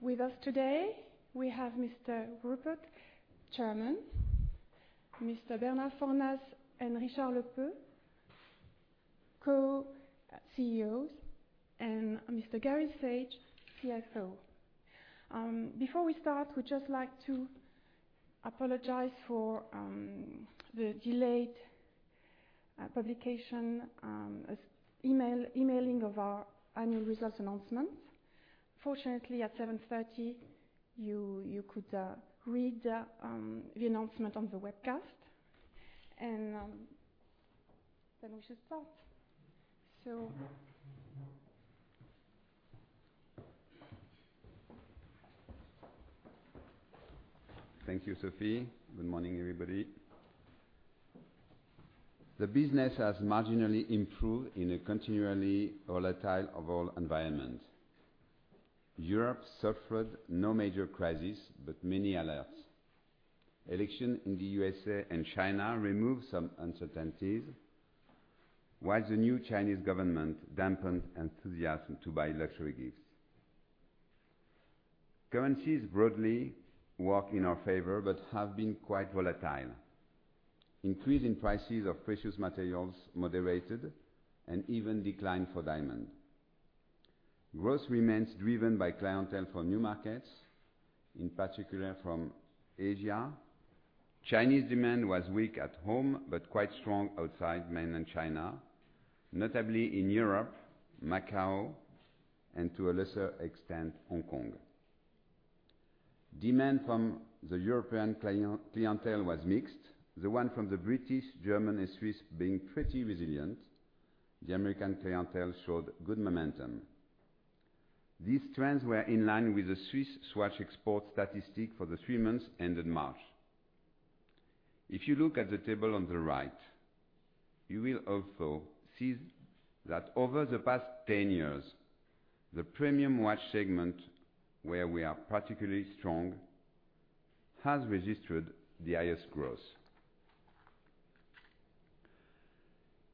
With us today, we have Mr. Rupert, Chairman, Mr. Bernard Fornas and Richard Lepeu, Co-CEOs, and Mr. Gary Saage, CFO. Before we start, we'd just like to apologize for the delayed publication emailing of our annual results announcement. Fortunately, at 7:30 A.M., you could read the announcement on the webcast. We should start. Thank you, Sophie. Good morning, everybody. The business has marginally improved in a continually volatile overall environment. Europe suffered no major crisis, but many alerts. Election in the U.S.A. and China removed some uncertainties, while the new Chinese government dampened enthusiasm to buy luxury gifts. Currencies broadly work in our favor but have been quite volatile. Increase in prices of precious materials moderated and even declined for diamond. Growth remains driven by clientele for new markets, in particular from Asia. Chinese demand was weak at home, but quite strong outside Mainland China, notably in Europe, Macau, and to a lesser extent, Hong Kong. Demand from the European clientele was mixed, the one from the British, German, and Swiss being pretty resilient. The American clientele showed good momentum. These trends were in line with the Swiss Swatch export statistic for the three months ended March. If you look at the table on the right, you will also see that over the past 10 years, the premium watch segment, where we are particularly strong, has registered the highest growth.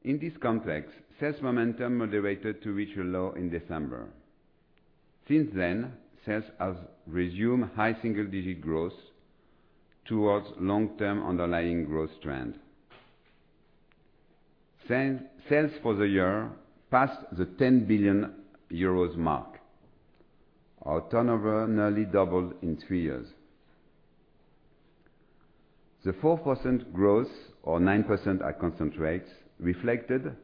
In this context, sales momentum moderated to reach a low in December. Since then, sales have resumed high single-digit growth towards long-term underlying growth trend. Sales for the year passed the 10 billion euros mark. Our turnover nearly doubled in three years. The 4% growth or 9% at constant rates reflected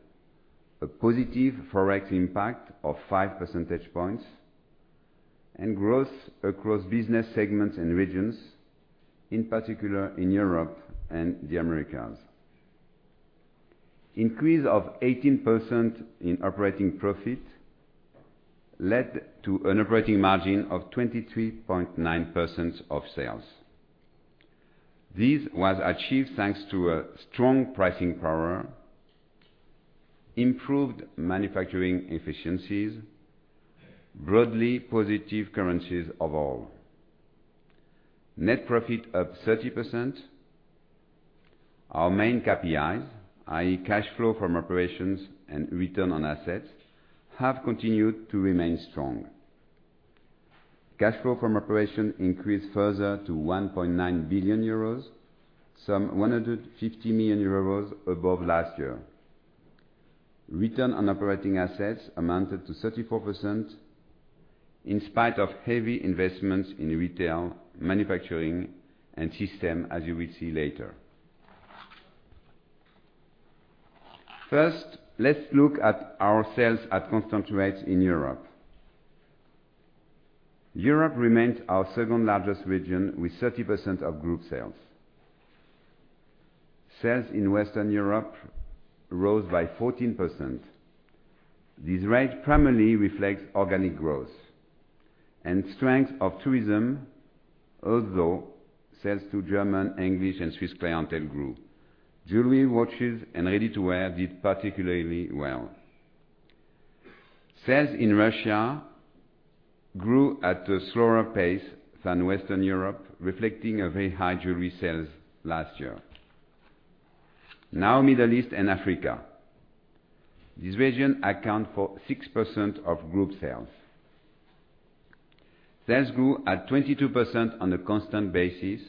a positive FOREX impact of five percentage points and growth across business segments and regions, in particular in Europe and the Americas. Increase of 18% in operating profit led to an operating margin of 23.9% of sales. This was achieved thanks to a strong pricing power, improved manufacturing efficiencies, broadly positive currencies overall. Net profit up 30%. Our main KPIs, i.e. cash flow from operations and return on assets, have continued to remain strong. Cash flow from operation increased further to 1.9 billion euros, some 150 million euros above last year. Return on operating assets amounted to 34% in spite of heavy investments in retail, manufacturing, and system, as you will see later. First, let's look at our sales at constant rates in Europe. Europe remains our second-largest region with 30% of group sales. Sales in Western Europe rose by 14%. This rate primarily reflects organic growth and strength of tourism, although sales to German, English, and Swiss clientele grew. Jewelry, watches, and ready-to-wear did particularly well. Sales in Russia grew at a slower pace than Western Europe, reflecting a very high jewelry sales last year. Now, Middle East and Africa. This region accounts for 6% of group sales. Sales grew at 22% on a constant basis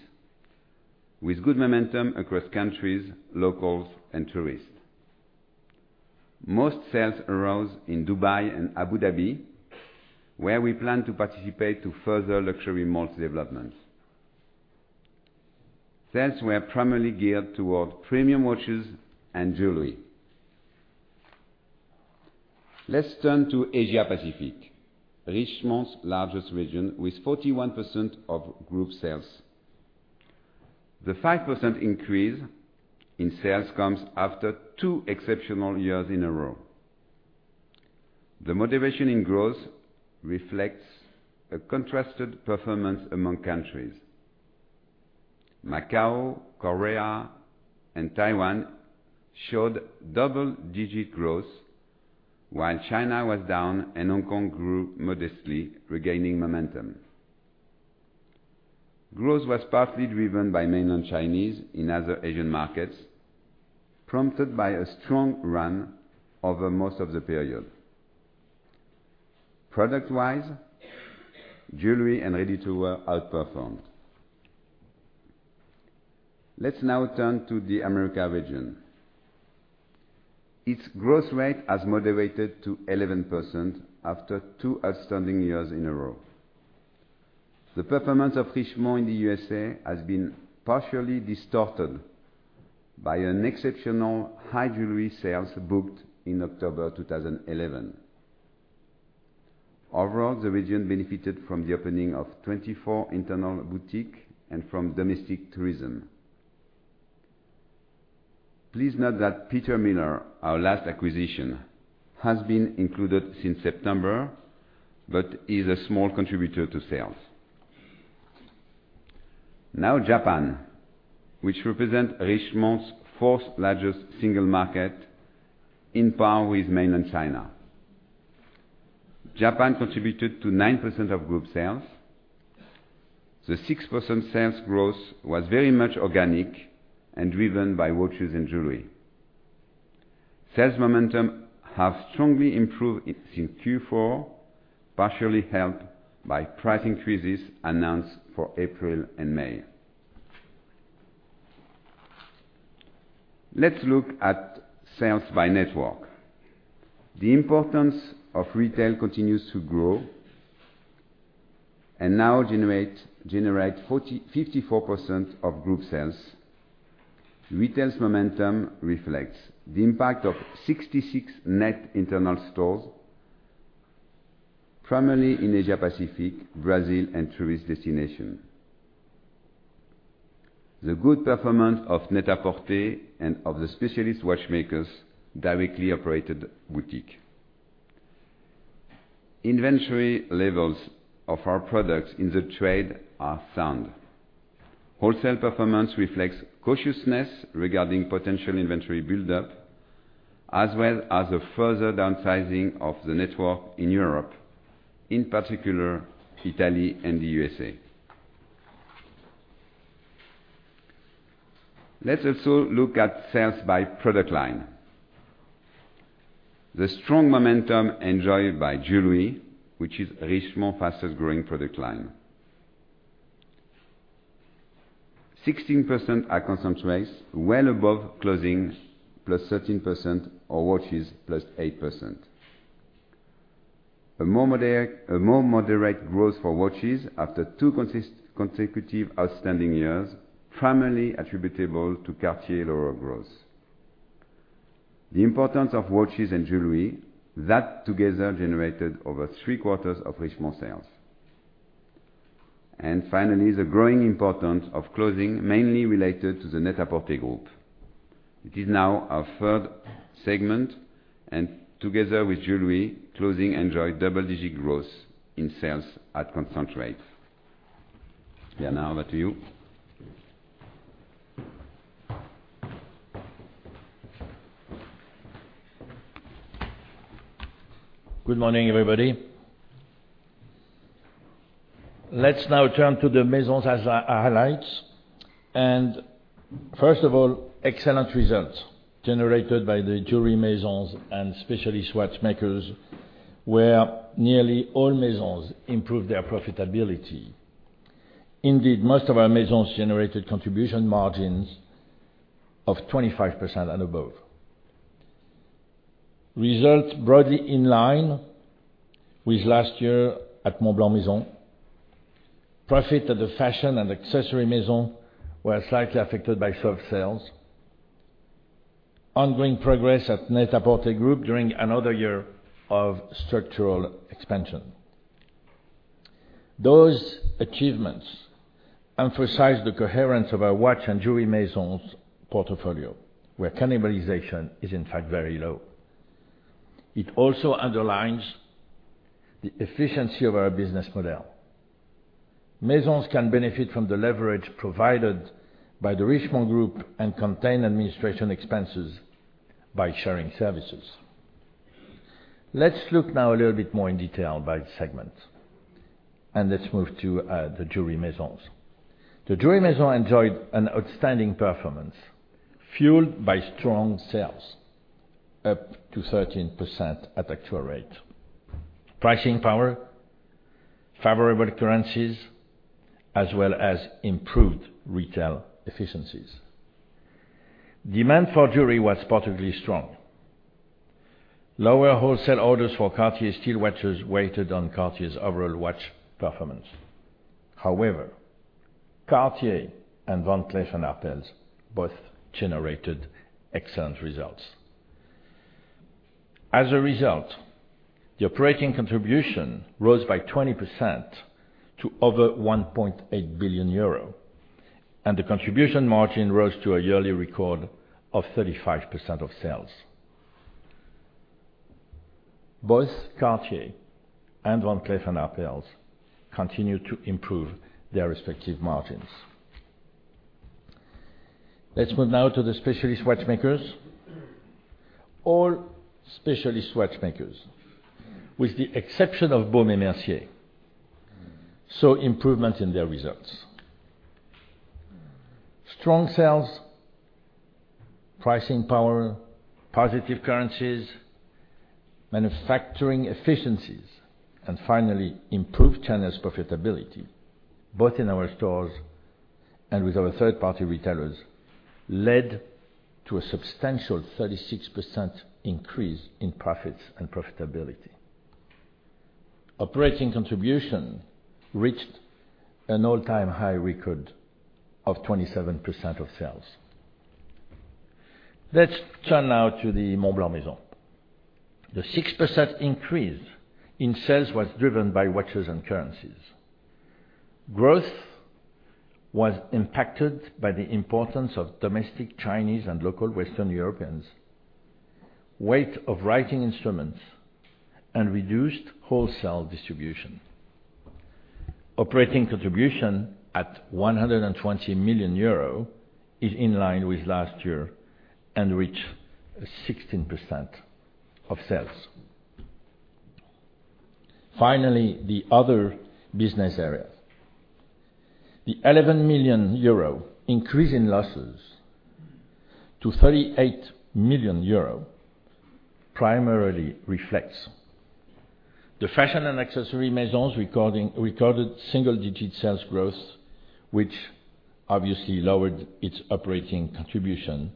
with good momentum across countries, locals, and tourists. Most sales arose in Dubai and Abu Dhabi, where we plan to participate to further luxury mall developments. Sales were primarily geared toward premium watches and jewelry. Let's turn to Asia-Pacific, Richemont's largest region with 41% of group sales. The 5% increase in sales comes after two exceptional years in a row. The moderation in growth reflects a contrasted performance among countries. Macau, Korea, and Taiwan showed double-digit growth, while China was down and Hong Kong grew modestly, regaining momentum. Growth was partly driven by Mainland Chinese in other Asian markets, prompted by a strong run over most of the period. Product-wise, jewelry and ready-to-wear outperformed. Let's now turn to the America region. Its growth rate has moderated to 11% after two outstanding years in a row. The performance of Richemont in the U.S.A. has been partially distorted by exceptional high jewelry sales booked in October 2011. Overall, the region benefited from the opening of 24 internal boutiques and from domestic tourism. Please note that Peter Millar, our last acquisition, has been included since September, but is a small contributor to sales. Japan, which represents Richemont's fourth-largest single market, in par with Mainland China. Japan contributed to 9% of group sales. The 6% sales growth was very much organic and driven by watches and jewelry. Sales momentum has strongly improved since Q4, partially helped by price increases announced for April and May. Let's look at sales by network. The importance of retail continues to grow and now generates 54% of group sales. Retail momentum reflects the impact of 66 net internal stores, primarily in Asia-Pacific, Brazil, and tourist destinations. The good performance of Net-a-Porter and of the specialist watchmakers directly operated boutiques. Inventory levels of our products in the trade are sound. Wholesale performance reflects cautiousness regarding potential inventory buildup, as well as a further downsizing of the network in Europe, in particular Italy and the U.S.A. Let's also look at sales by product line. The strong momentum enjoyed by jewelry, which is Richemont's fastest-growing product line. 16% at constant rates, well above clothing, +13%, or watches, +8%. A more moderate growth for watches after two consecutive outstanding years, primarily attributable to Cartier lower growth. The importance of watches and jewelry, that together generated over three-quarters of Richemont sales. Finally, the growing importance of clothing, mainly related to The Net-a-Porter Group. It is now our third segment, and together with jewelry, clothing enjoyed double-digit growth in sales at constant rates. Now over to you. Good morning, everybody. Let's now turn to the Maison highlights. First of all, excellent results generated by the Jewelry Maisons and specialty watchmakers, where nearly all Maisons improved their profitability. Indeed, most of our Maisons generated contribution margins of 25% and above. Results broadly in line with last year at Montblanc Maison. Profit at the fashion and accessory Maison were slightly affected by soft sales. Ongoing progress at The Net-a-Porter Group during another year of structural expansion. Those achievements emphasize the coherence of our watch and jewelry Maisons portfolio, where cannibalization is in fact very low. It also underlines the efficiency of our business model. Maisons can benefit from the leverage provided by the Richemont Group and contain administration expenses by sharing services. Let's look now a little bit more in detail by segment, let's move to the Jewelry Maisons. The Jewelry Maison enjoyed an outstanding performance fueled by strong sales, up 13% at actual rate. Pricing power, favorable currencies, as well as improved retail efficiencies. Demand for jewelry was particularly strong. Lower wholesale orders for Cartier steel watches weighted on Cartier's overall watch performance. However, Cartier and Van Cleef & Arpels both generated excellent results. As a result, the operating contribution rose by 20% to over 1.8 billion euro, and the contribution margin rose to a yearly record of 35% of sales. Both Cartier and Van Cleef & Arpels continue to improve their respective margins. Let's move now to the specialist watchmakers. All specialist watchmakers, with the exception of Baume & Mercier, saw improvements in their results. Strong sales, pricing power, positive currencies, manufacturing efficiencies, and finally, improved channel profitability, both in our stores and with our third-party retailers, led to a substantial 36% increase in profits and profitability. Operating contribution reached an all-time high record of 27% of sales. Let's turn now to the Montblanc Maison. The 6% increase in sales was driven by watches and currencies. Growth was impacted by the importance of domestic Chinese and local Western Europeans, weight of writing instruments, and reduced wholesale distribution. Operating contribution at 120 million euro is in line with last year and reached 16% of sales. Finally, the other business areas. The 11 million euro increase in losses to 38 million euro primarily reflects the fashion and accessory Maisons recorded single-digit sales growth, which obviously lowered its operating contribution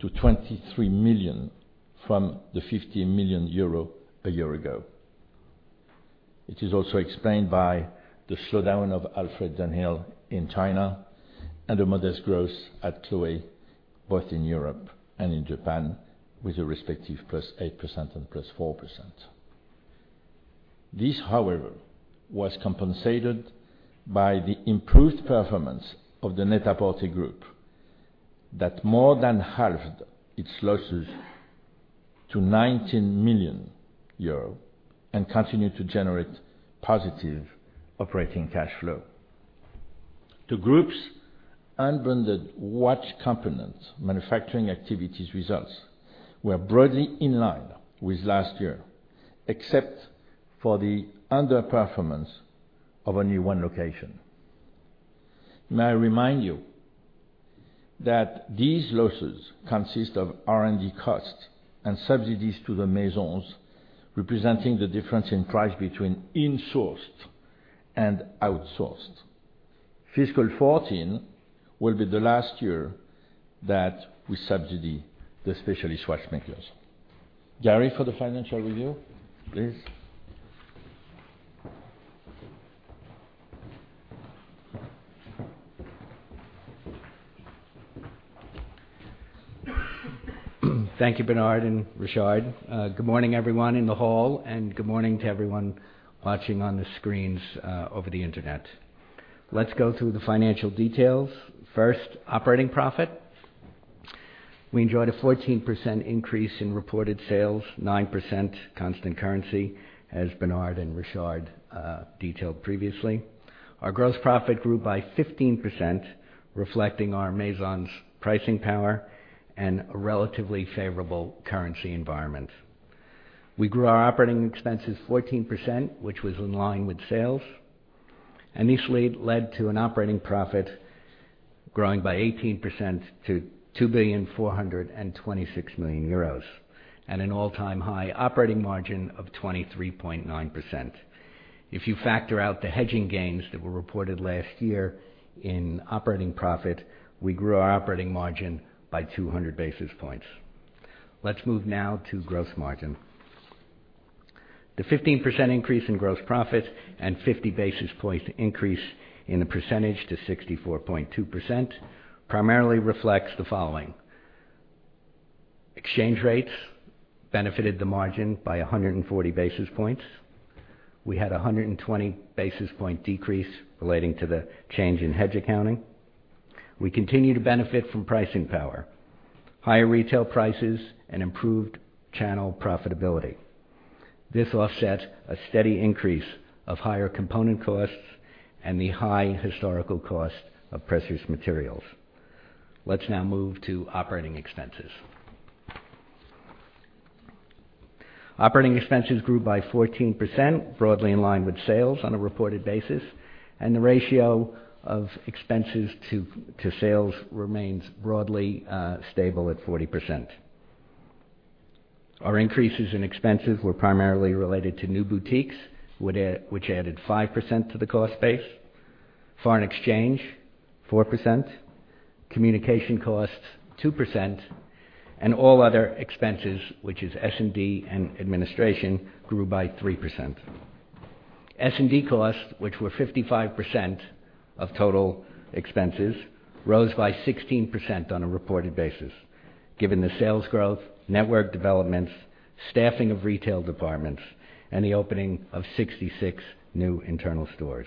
to 23 million from the 15 million euro a year ago. It is also explained by the slowdown of Alfred Dunhill in China and a modest growth at Chloé, both in Europe and in Japan, with a respective +8% and +4%. This, however, was compensated by the improved performance of the Net-a-Porter Group that more than halved its losses to 19 million euro and continued to generate positive operating cash flow. The group's unbranded watch components manufacturing activities results were broadly in line with last year, except for the underperformance of only one location. May I remind you that these losses consist of R&D costs and subsidies to the Maisons, representing the difference in price between insourced and outsourced. Fiscal 2014 will be the last year that we subsidy the specialist watchmakers. Gary, for the financial review, please. Thank you, Bernard and Richard. Good morning, everyone in the hall, and good morning to everyone watching on the screens over the Internet. Let's go through the financial details. First, operating profit. We enjoyed a 14% increase in reported sales, 9% constant currency, as Bernard and Richard detailed previously. Our gross profit grew by 15%, reflecting our Maisons' pricing power and a relatively favorable currency environment. We grew our operating expenses 14%, which was in line with sales, and this led to an operating profit growing by 18% to 2,426,000,000 euros and an all-time high operating margin of 23.9%. If you factor out the hedging gains that were reported last year in operating profit, we grew our operating margin by 200 basis points. Let's move now to gross margin. The 15% increase in gross profit and 50 basis point increase in the percentage to 64.2% primarily reflects the following. Exchange rates benefited the margin by 140 basis points. We had 120 basis point decrease relating to the change in hedge accounting. We continue to benefit from pricing power, higher retail prices, and improved channel profitability. This offset a steady increase of higher component costs and the high historical cost of precious materials. Let's now move to operating expenses. Operating expenses grew by 14%, broadly in line with sales on a reported basis, and the ratio of expenses to sales remains broadly stable at 40%. Our increases in expenses were primarily related to new boutiques, which added 5% to the cost base, foreign exchange, 4%, communication costs, 2%, and all other expenses, which is S&D and administration, grew by 3%. S&D costs, which were 55% of total expenses, rose by 16% on a reported basis, given the sales growth, network developments, staffing of retail departments, and the opening of 66 new internal stores.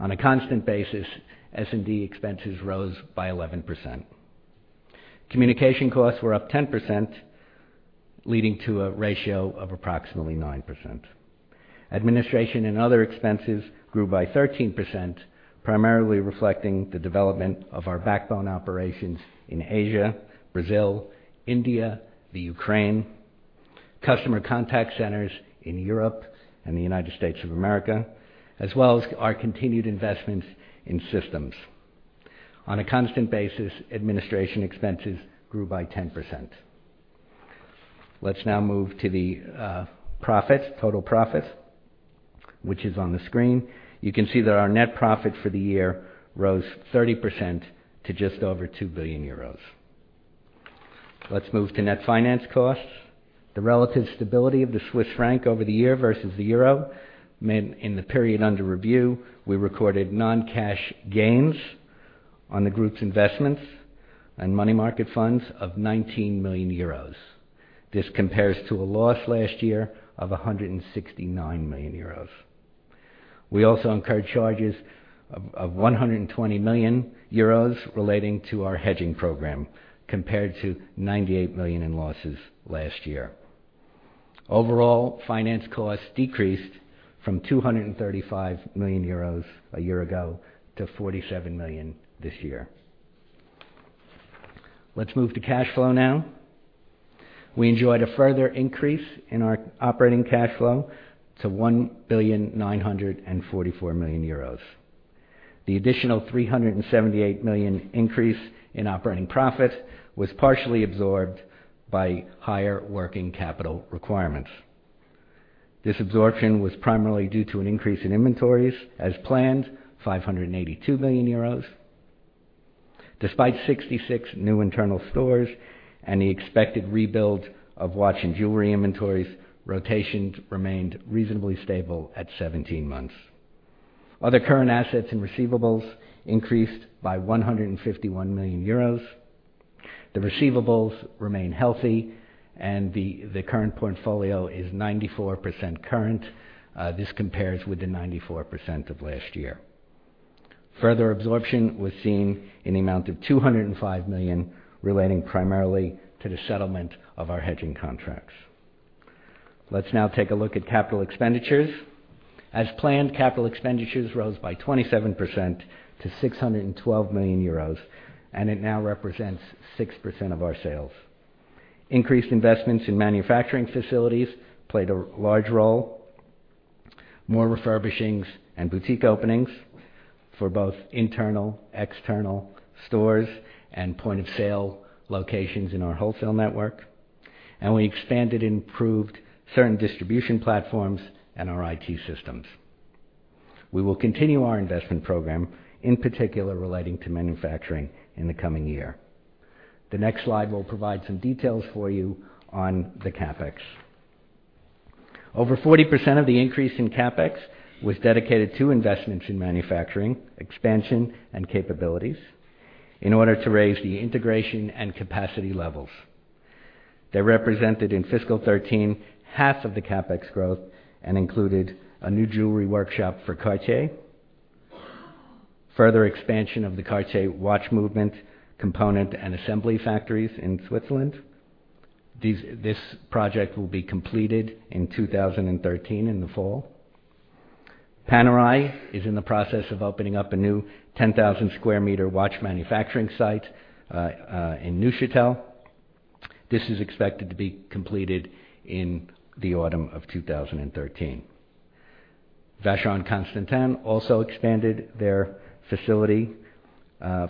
On a constant basis, S&D expenses rose by 11%. Communication costs were up 10%, leading to a ratio of approximately 9%. Administration and other expenses grew by 13%, primarily reflecting the development of our backbone operations in Asia, Brazil, India, the Ukraine, customer contact centers in Europe and the United States of America, as well as our continued investments in systems. On a constant basis, administration expenses grew by 10%. Let's now move to the total profits, which is on the screen. You can see that our net profit for the year rose 30% to just over 2 billion euros. Let's move to net finance costs. The relative stability of the Swiss franc over the year versus the euro meant in the period under review, we recorded non-cash gains on the group's investments and money market funds of 19 million euros. This compares to a loss last year of 169 million euros. We also incurred charges of 120 million euros relating to our hedging program, compared to 98 million in losses last year. Overall, finance costs decreased from 235 million euros a year ago to 47 million this year. Let's move to cash flow now. We enjoyed a further increase in our operating cash flow to 1,944,000,000 euros. The additional 378 million increase in operating profit was partially absorbed by higher working capital requirements. This absorption was primarily due to an increase in inventories as planned, 582 million euros. Despite 66 new internal stores and the expected rebuild of watch and jewelry inventories, rotations remained reasonably stable at 17 months. Other current assets and receivables increased by 151 million euros. The receivables remain healthy, and the current portfolio is 94% current. This compares with the 94% of last year. Further absorption was seen in the amount of 205 million, relating primarily to the settlement of our hedging contracts. Let's now take a look at capital expenditures. As planned, capital expenditures rose by 27% to 612 million euros, and it now represents 6% of our sales. Increased investments in manufacturing facilities played a large role. More refurbishings and boutique openings for both internal, external stores, and point-of-sale locations in our wholesale network, and we expanded and improved certain distribution platforms and our IT systems. We will continue our investment program, in particular relating to manufacturing in the coming year. The next slide will provide some details for you on the CapEx. Over 40% of the increase in CapEx was dedicated to investments in manufacturing expansion and capabilities in order to raise the integration and capacity levels. They represented in FY 2013, half of the CapEx growth and included a new jewelry workshop for Cartier, further expansion of the Cartier watch movement component and assembly factories in Switzerland. This project will be completed in 2013 in the fall. Panerai is in the process of opening up a new 10,000 sq m watch manufacturing site, in Neuchatel. This is expected to be completed in the autumn of 2013. Vacheron Constantin also expanded their facility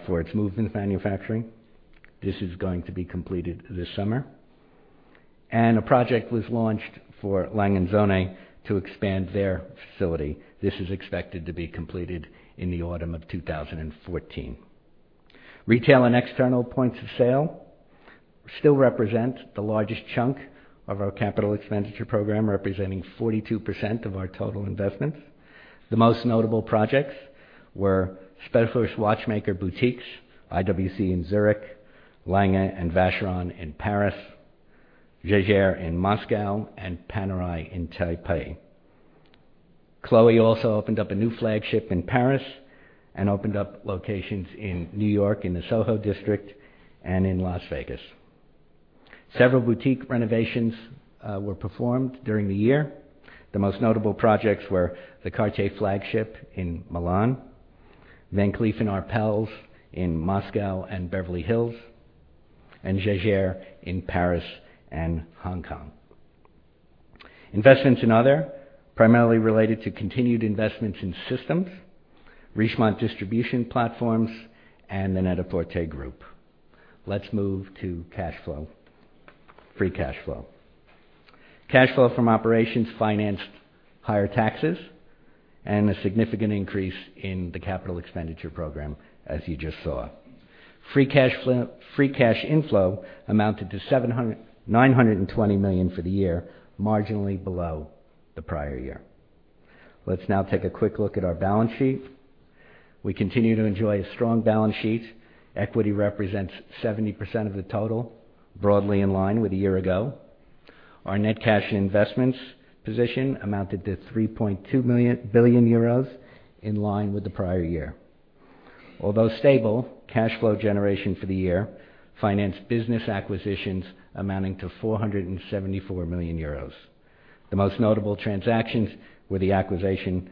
for its movement manufacturing. This is going to be completed this summer. A project was launched for A. Lange & Söhne to expand their facility. This is expected to be completed in the autumn of 2014. Retail and external points of sale still represent the largest chunk of our capital expenditure program, representing 42% of our total investments. The most notable projects were specialist watchmaker boutiques, IWC in Zurich, Lange and Vacheron in Paris, Jaeger in Moscow, and Panerai in Taipei. Chloé also opened up a new flagship in Paris and opened up locations in New York in the Soho district and in Las Vegas. Several boutique renovations were performed during the year. The most notable projects were the Cartier flagship in Milan, Van Cleef & Arpels in Moscow and Beverly Hills, and Jaeger in Paris and Hong Kong. Investments in other, primarily related to continued investments in systems, Richemont distribution platforms, and The Net-a-Porter Group. Let's move to cash flow. Free cash flow. Cash flow from operations financed higher taxes and a significant increase in the capital expenditure program, as you just saw. Free cash inflow amounted to 920 million for the year, marginally below the prior year. Let's now take a quick look at our balance sheet. We continue to enjoy a strong balance sheet. Equity represents 70% of the total, broadly in line with a year ago. Our net cash investments position amounted to €3.2 billion, in line with the prior year. Although stable, cash flow generation for the year financed business acquisitions amounting to €474 million. The most notable transactions were the acquisition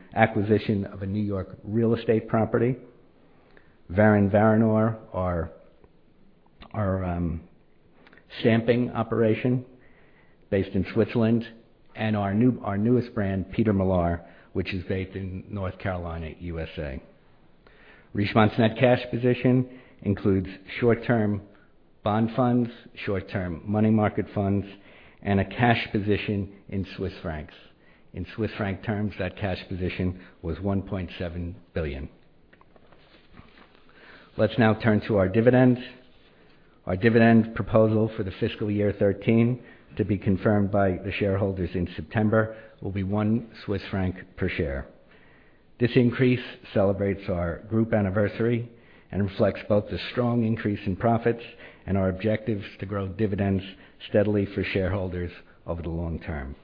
of a New York real estate property, Varinor, our stamping operation based in Switzerland, and our newest brand, Peter Millar, which is based in North Carolina, U.S.A. Richemont's net cash position includes short-term bond funds, short-term money market funds, and a cash position in Swiss francs. In Swiss franc terms, that cash position was 1.7 billion. Let's now turn to our dividend. Our dividend proposal for the FY 2013, to be confirmed by the shareholders in September, will be one Swiss franc per share. This increase celebrates our group anniversary and reflects both the strong increase in profits and our objectives to grow dividends steadily for shareholders over the long term.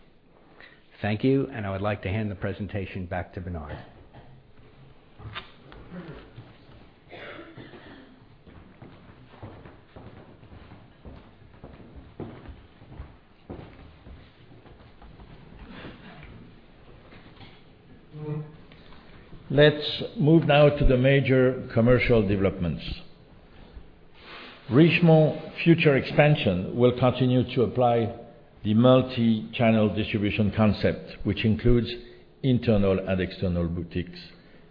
Thank you. I would like to hand the presentation back to Bernard. Let's move now to the major commercial developments. Richemont future expansion will continue to apply the multi-channel distribution concept, which includes internal and external boutiques,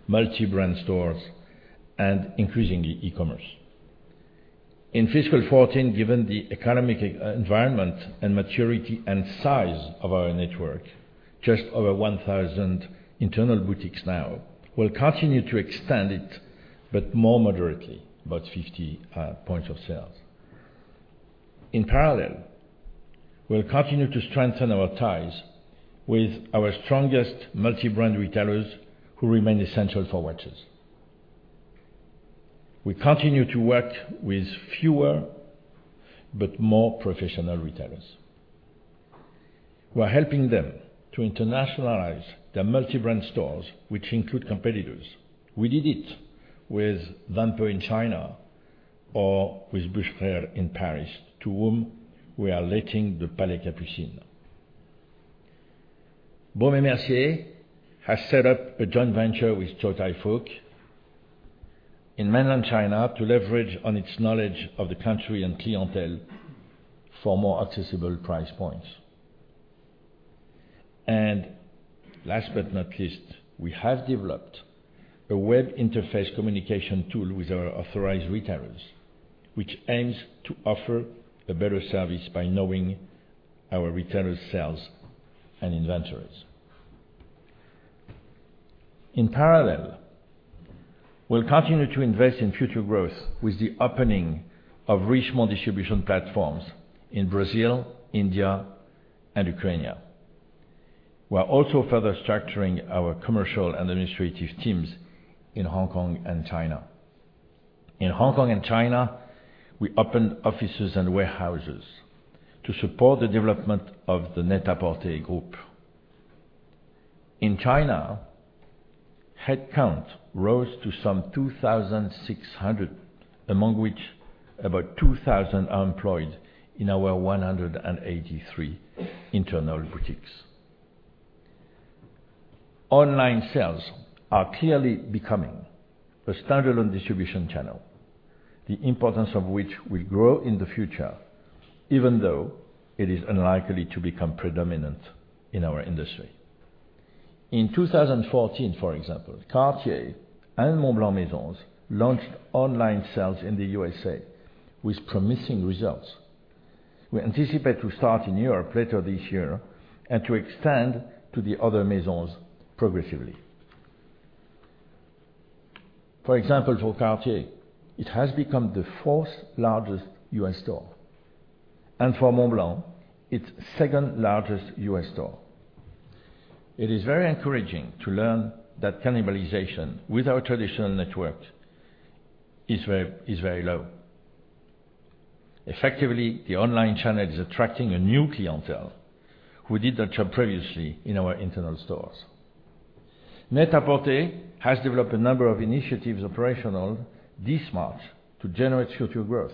multi-brand stores, and increasingly, e-commerce. In fiscal 2014, given the economic environment and maturity and size of our network, just over 1,000 internal boutiques now, we'll continue to extend it, but more moderately, about 50 points of sales. In parallel, we'll continue to strengthen our ties with our strongest multi-brand retailers who remain essential for watches. We continue to work with fewer but more professional retailers. We are helping them to internationalize their multi-brand stores, which include competitors. We did it with [Van Pur] in China or with Bucherer in Paris, to whom we are letting the Place Vendôme. Baume & Mercier has set up a joint venture with Chow Tai Fook in mainland China to leverage on its knowledge of the country and clientele for more accessible price points. Last but not least, we have developed a web interface communication tool with our authorized retailers, which aims to offer a better service by knowing our retailers' sales and inventories. In parallel, we'll continue to invest in future growth with the opening of Richemont distribution platforms in Brazil, India, and Ukraine. We are also further structuring our commercial and administrative teams in Hong Kong and China. In Hong Kong and China, we opened offices and warehouses to support the development of the Net-a-Porter Group. In China, headcount rose to some 2,600, among which about 2,000 are employed in our 183 internal boutiques. Online sales are clearly becoming a standalone distribution channel, the importance of which will grow in the future, even though it is unlikely to become predominant in our industry. In 2014, for example, Cartier and Montblanc Maisons launched online sales in the U.S. with promising results. We anticipate to start in Europe later this year and to extend to the other Maisons progressively. For example, for Cartier, it has become the fourth-largest U.S. store, and for Montblanc, its second-largest U.S. store. It is very encouraging to learn that cannibalization with our traditional network is very low. Effectively, the online channel is attracting a new clientele who did not shop previously in our internal stores. Net-a-Porter has developed a number of initiatives operational this March to generate future growth.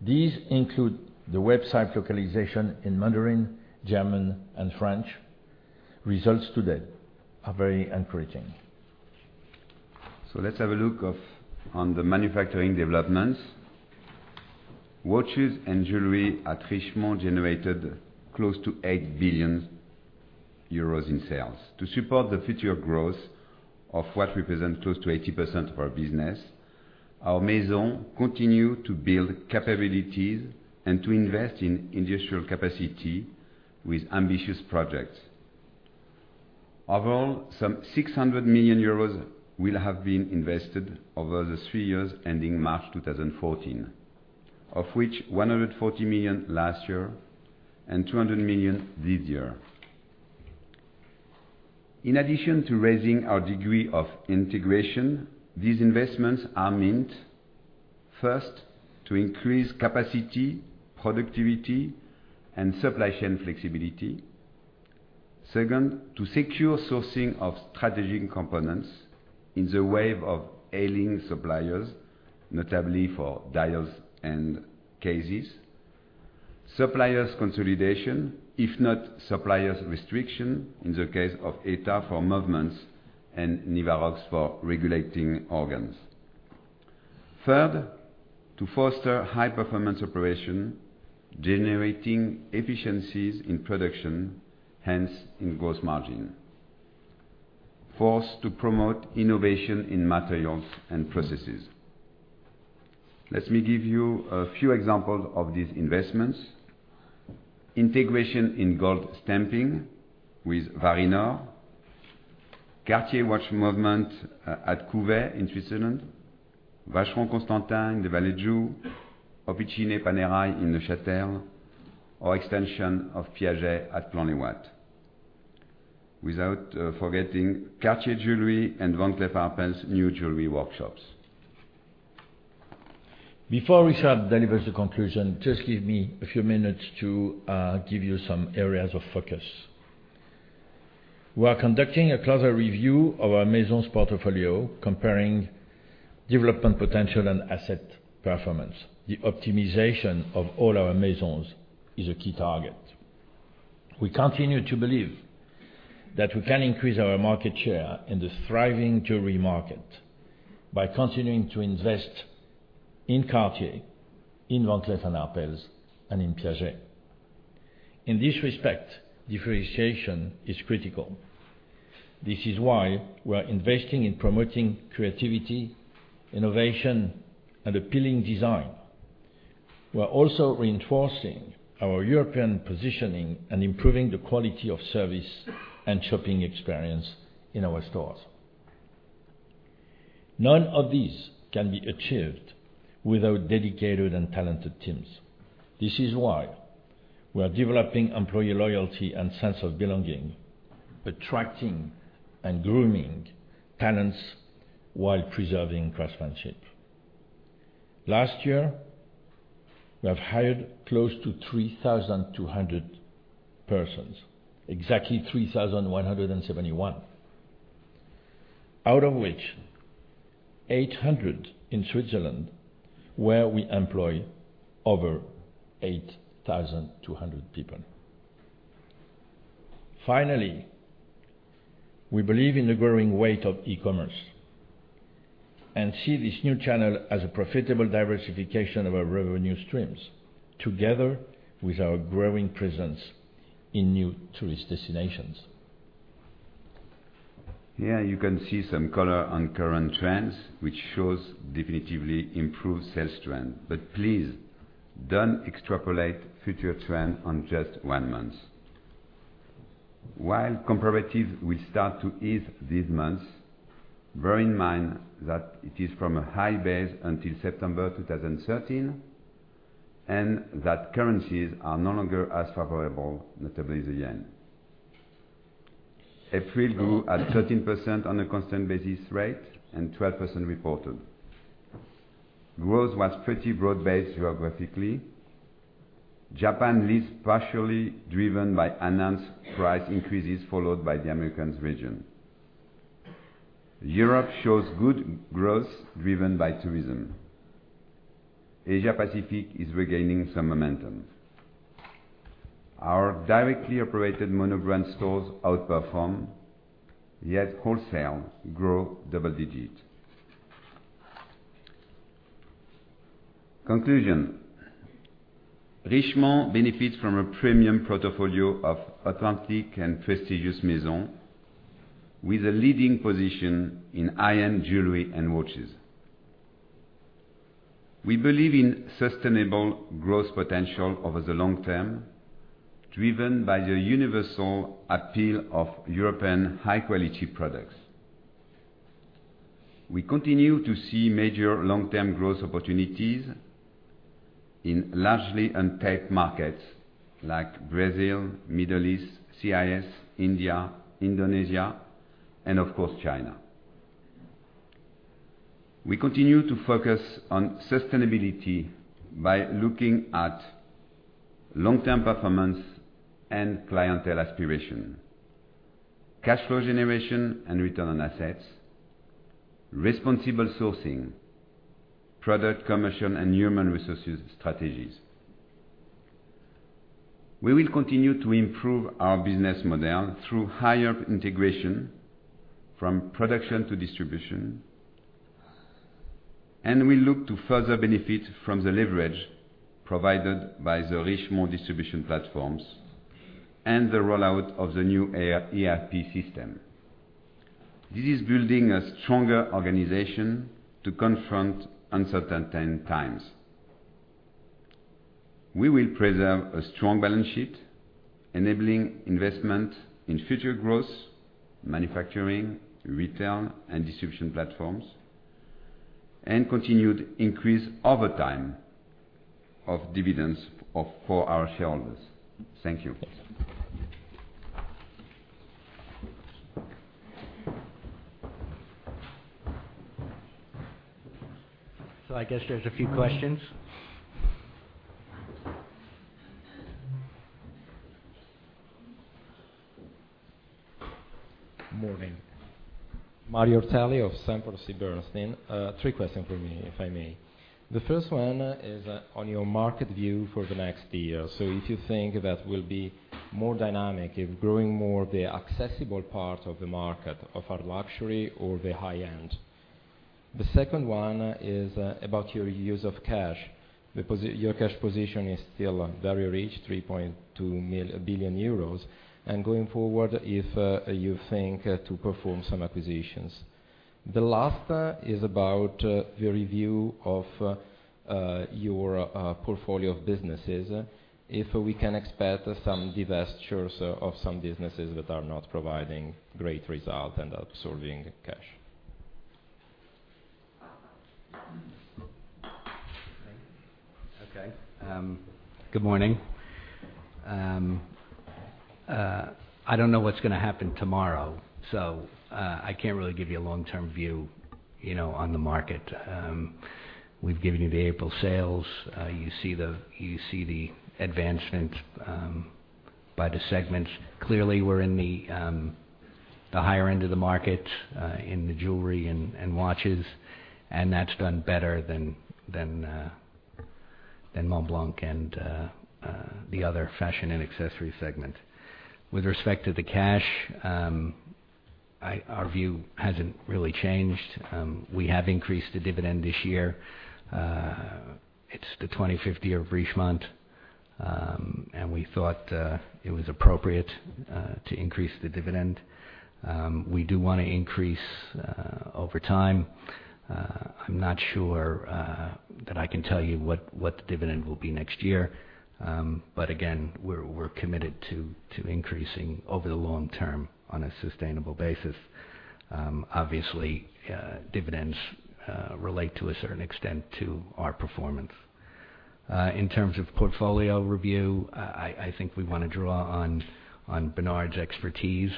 These include the website localization in Mandarin, German, and French. Results to date are very encouraging. Let's have a look on the manufacturing developments. Watches and jewelry at Richemont generated close to €8 billion in sales. To support the future growth of what represents close to 80% of our business, our Maison continue to build capabilities and to invest in industrial capacity with ambitious projects. Overall, some €600 million will have been invested over the three years ending March 2014, of which 140 million last year and 200 million this year. In addition to raising our degree of integration, these investments are meant, first, to increase capacity, productivity, and supply chain flexibility Second, to secure sourcing of strategic components in the wave of ailing suppliers, notably for dials and cases. Supplier consolidation, if not supplier restriction, in the case of ETA for movements and Nivarox for regulating organs. Third, to foster high-performance operation, generating efficiencies in production, hence in gross margin. Fourth, to promote innovation in materials and processes. Let me give you a few examples of these investments. Integration in gold stamping with Varinor, Cartier watch movement at Couvet in Switzerland, Vacheron Constantin in Vallée de Joux, Officine Panerai in Neuchâtel, or extension of Piaget at Plan-les-Ouates. Without forgetting Cartier jewelry and Van Cleef & Arpels new jewelry workshops. Before Richard Lepeu delivers the conclusion, just give me a few minutes to give you some areas of focus. We are conducting a closer review of our Maisons portfolio, comparing development potential and asset performance. The optimization of all our Maisons is a key target. We continue to believe that we can increase our market share in the thriving jewelry market by continuing to invest in Cartier, in Van Cleef & Arpels, and in Piaget. In this respect, differentiation is critical. This is why we are investing in promoting creativity, innovation, and appealing design. We are also reinforcing our European positioning and improving the quality of service and shopping experience in our stores. None of these can be achieved without dedicated and talented teams. This is why we are developing employee loyalty and sense of belonging, attracting and grooming talents while preserving craftsmanship. Last year, we have hired close to 3,200 persons, exactly 3,171, out of which 800 in Switzerland, where we employ over 8,200 people. We believe in the growing weight of e-commerce and see this new channel as a profitable diversification of our revenue streams, together with our growing presence in new tourist destinations. Here you can see some color on current trends, which shows definitively improved sales trend. Please, don't extrapolate future trend on just one month. While comparatives will start to ease this month, bear in mind that it is from a high base until September 2013, and that currencies are no longer as favorable, notably the JPY. April grew at 13% on a constant basis rate and 12% reported. Growth was pretty broad-based geographically. Japan leads partially driven by enhanced price increases, followed by the Americas region. Europe shows good growth driven by tourism. Asia-Pacific is regaining some momentum. Our directly operated monogram stores outperform, yet wholesale grow double digit. Conclusion. Richemont benefits from a premium portfolio of authentic and prestigious Maison with a leading position in high-end jewelry and watches. We believe in sustainable growth potential over the long term, driven by the universal appeal of European high-quality products. We continue to see major long-term growth opportunities in largely untapped markets like Brazil, Middle East, CIS, India, Indonesia, and of course, China. We continue to focus on sustainability by looking at long-term performance and clientele aspiration, cash flow generation and return on assets, responsible sourcing, product commission, and human resources strategies. We will continue to improve our business model through higher integration from production to distribution. We look to further benefit from the leverage provided by the Richemont distribution platforms and the rollout of the new ERP system. This is building a stronger organization to confront uncertain times. We will preserve a strong balance sheet, enabling investment in future growth, manufacturing, retail, and distribution platforms, and continued increase over time of dividends for our shareholders. Thank you. I guess there's a few questions. Morning. Mario Ortelli of Sanford C. Bernstein. Three questions from me, if I may. The first one is on your market view for the next year. If you think that will be more dynamic, if growing more of the accessible part of the market, of our luxury or the high-end. The second one is about your use of cash. Your cash position is still very rich, 3.2 billion euros. Going forward, if you think to perform some acquisitions. The last is about the review of your portfolio of businesses. If we can expect some divestitures of some businesses that are not providing great result and absorbing cash. Okay. Good morning. I don't know what's going to happen tomorrow. I can't really give you a long-term view on the market. We've given you the April sales. You see the advancement by the segments. Clearly, we're in the higher end of the market in the jewelry and watches, and that's done better than Montblanc and the other fashion and accessory segment. With respect to the cash, our view hasn't really changed. We have increased the dividend this year. It's the 25th year of Richemont, and we thought it was appropriate to increase the dividend. We do want to increase over time. I'm not sure that I can tell you what the dividend will be next year. Again, we're committed to increasing over the long term on a sustainable basis. Obviously, dividends relate to a certain extent to our performance. In terms of portfolio review, I think we want to draw on Bernard's expertise.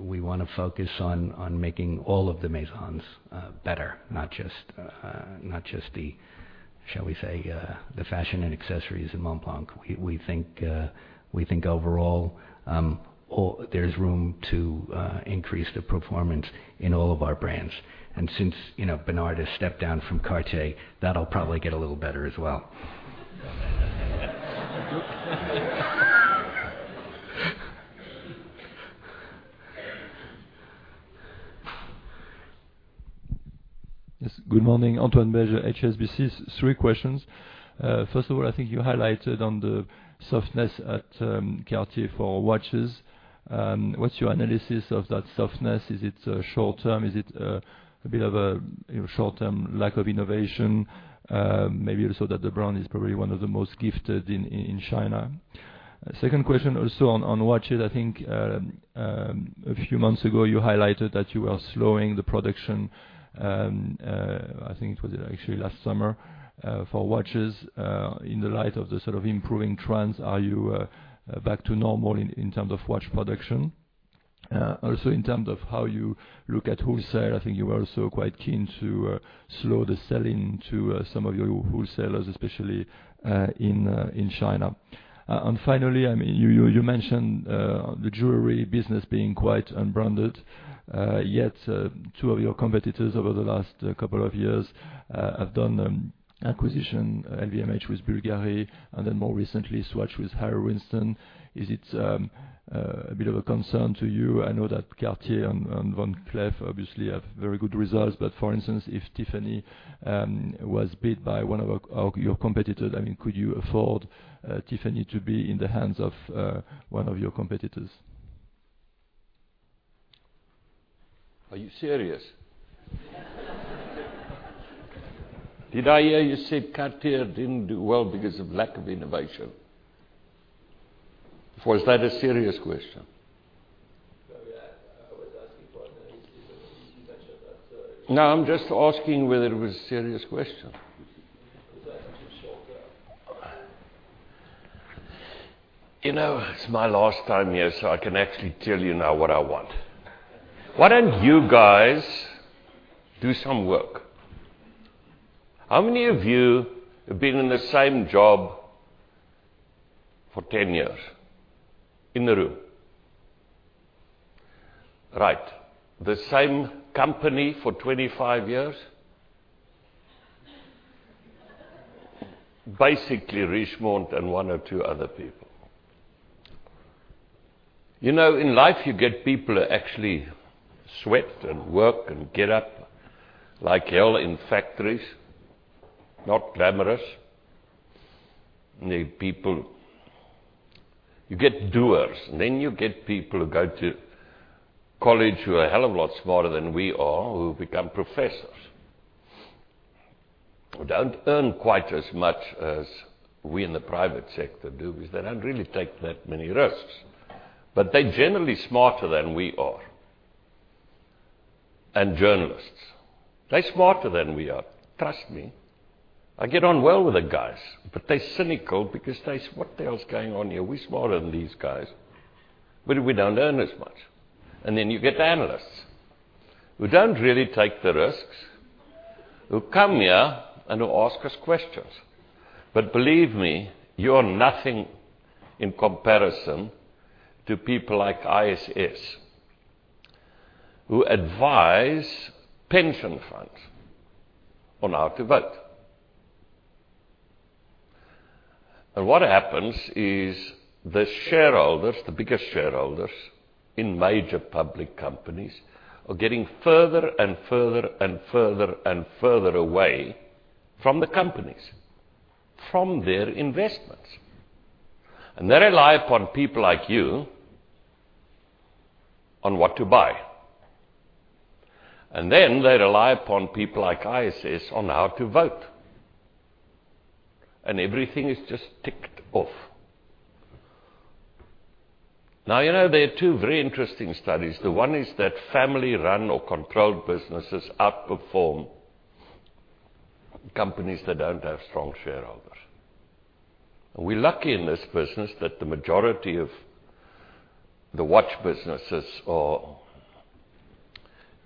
We want to focus on making all of the Maisons better, not just, shall we say, the fashion and accessories in Montblanc. We think overall, there's room to increase the performance in all of our brands. Since Bernard has stepped down from Cartier, that'll probably get a little better as well. Yes. Good morning. Antoine Belge, HSBC. Three questions. First of all, I think you highlighted on the softness at Cartier for watches. What's your analysis of that softness? Is it short-term? Is it a bit of a short-term lack of innovation? Maybe also that the brand is probably one of the most gifted in China. Second question also on watches. I think a few months ago, you highlighted that you are slowing the production, I think it was actually last summer, for watches. In the light of the sort of improving trends, are you back to normal in terms of watch production? Also, in terms of how you look at wholesale, I think you are also quite keen to slow the selling to some of your wholesalers, especially in China. Finally, you mentioned the jewelry business being quite unbranded. Yet, two of your competitors over the last couple of years have done acquisition, LVMH with Bulgari, and then more recently, Swatch with Harry Winston. Is it a bit of a concern to you? I know that Cartier and Van Cleef obviously have very good results. But for instance, if Tiffany was bid by one of your competitors, could you afford Tiffany to be in the hands of one of your competitors? Are you serious? Did I hear you say Cartier didn't do well because of lack of innovation? Or was that a serious question? No, yeah. I was asking for analysis. No, I'm just asking whether it was a serious question. It was actually a short term. It's my last time here. I can actually tell you now what I want. Why don't you guys do some work? How many of you have been in the same job for 10 years? In the room. Right. The same company for 25 years? Basically, Richemont and one or two other people. In life, you get people who actually sweat and work and get up like hell in factories. Not glamorous. You get doers. You get people who go to college who are a hell of a lot smarter than we are, who become professors. Who don't earn quite as much as we in the private sector do because they don't really take that many risks. They're generally smarter than we are. Journalists, they're smarter than we are, trust me. I get on well with the guys. They're cynical because they say, "What the hell's going on here? We're smarter than these guys." We don't earn as much. You get analysts who don't really take the risks, who come here and who ask us questions. Believe me, you are nothing in comparison to people like ISS, who advise pension funds on how to vote. What happens is the shareholders, the biggest shareholders in major public companies, are getting further and further and further and further away from the companies, from their investments. They rely upon people like you on what to buy. They rely upon people like ISS on how to vote. Everything is just ticked off. Now, there are two very interesting studies. The one is that family-run or controlled businesses outperform companies that don't have strong shareholders. We're lucky in this business that the majority of the watch businesses are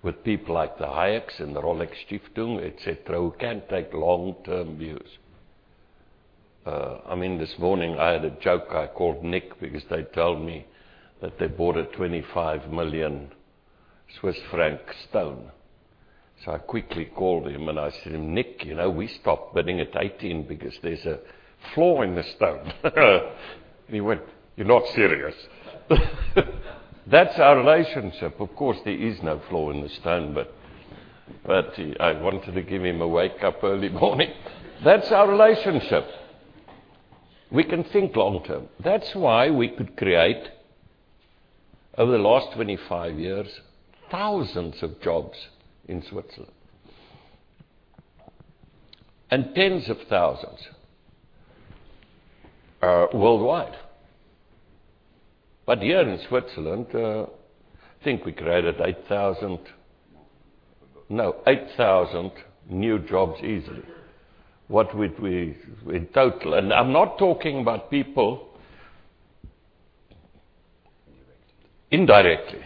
with people like the Hayek's and the Rolex Stiftung, et cetera, who can take long-term views. This morning, I had a joke. I called Nick because they told me that they bought a 25 million Swiss franc stone. I quickly called him. I said to him, "Nick, we stopped bidding at 18 because there's a flaw in the stone." He went, "You're not serious." That's our relationship. Of course, there is no flaw in the stone. I wanted to give him a wake up early morning. That's our relationship. We can think long-term. That's why we could create, over the last 25 years, thousands of jobs in Switzerland, and tens of thousands worldwide. Here in Switzerland, I think we created 8,000- More no, 8,000 new jobs easily. What we total. I'm not talking about people- Indirectly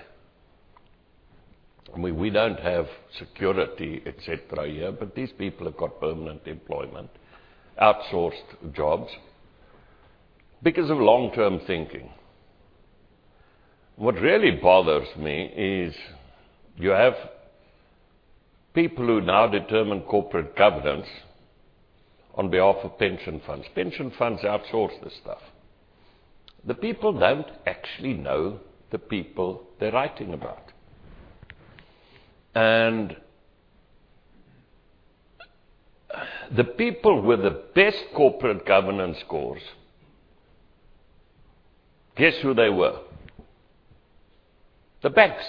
indirectly. We don't have security, et cetera here, but these people have got permanent employment, outsourced jobs, because of long-term thinking. What really bothers me is you have people who now determine corporate governance on behalf of pension funds. Pension funds outsource this stuff. The people don't actually know the people they're writing about. The people with the best corporate governance scores, guess who they were? The banks.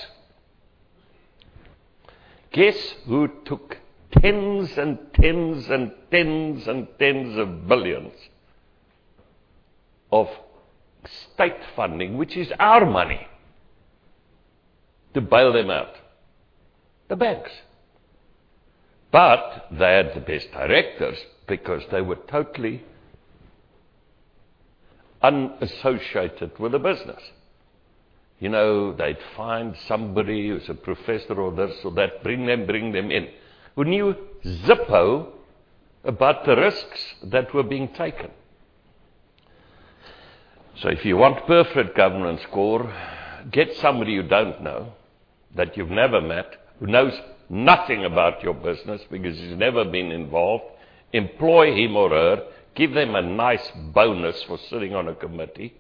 Guess who took tens and tens and tens and tens of billions of state funding, which is our money, to bail them out? The banks. They had the best directors because they were totally unassociated with the business. They'd find somebody who's a professor or this or that, bring them in, who knew zippo about the risks that were being taken. If you want perfect governance score, get somebody you don't know, that you've never met, who knows nothing about your business because he's never been involved. Employ him or her, give them a nice bonus for sitting on a committee,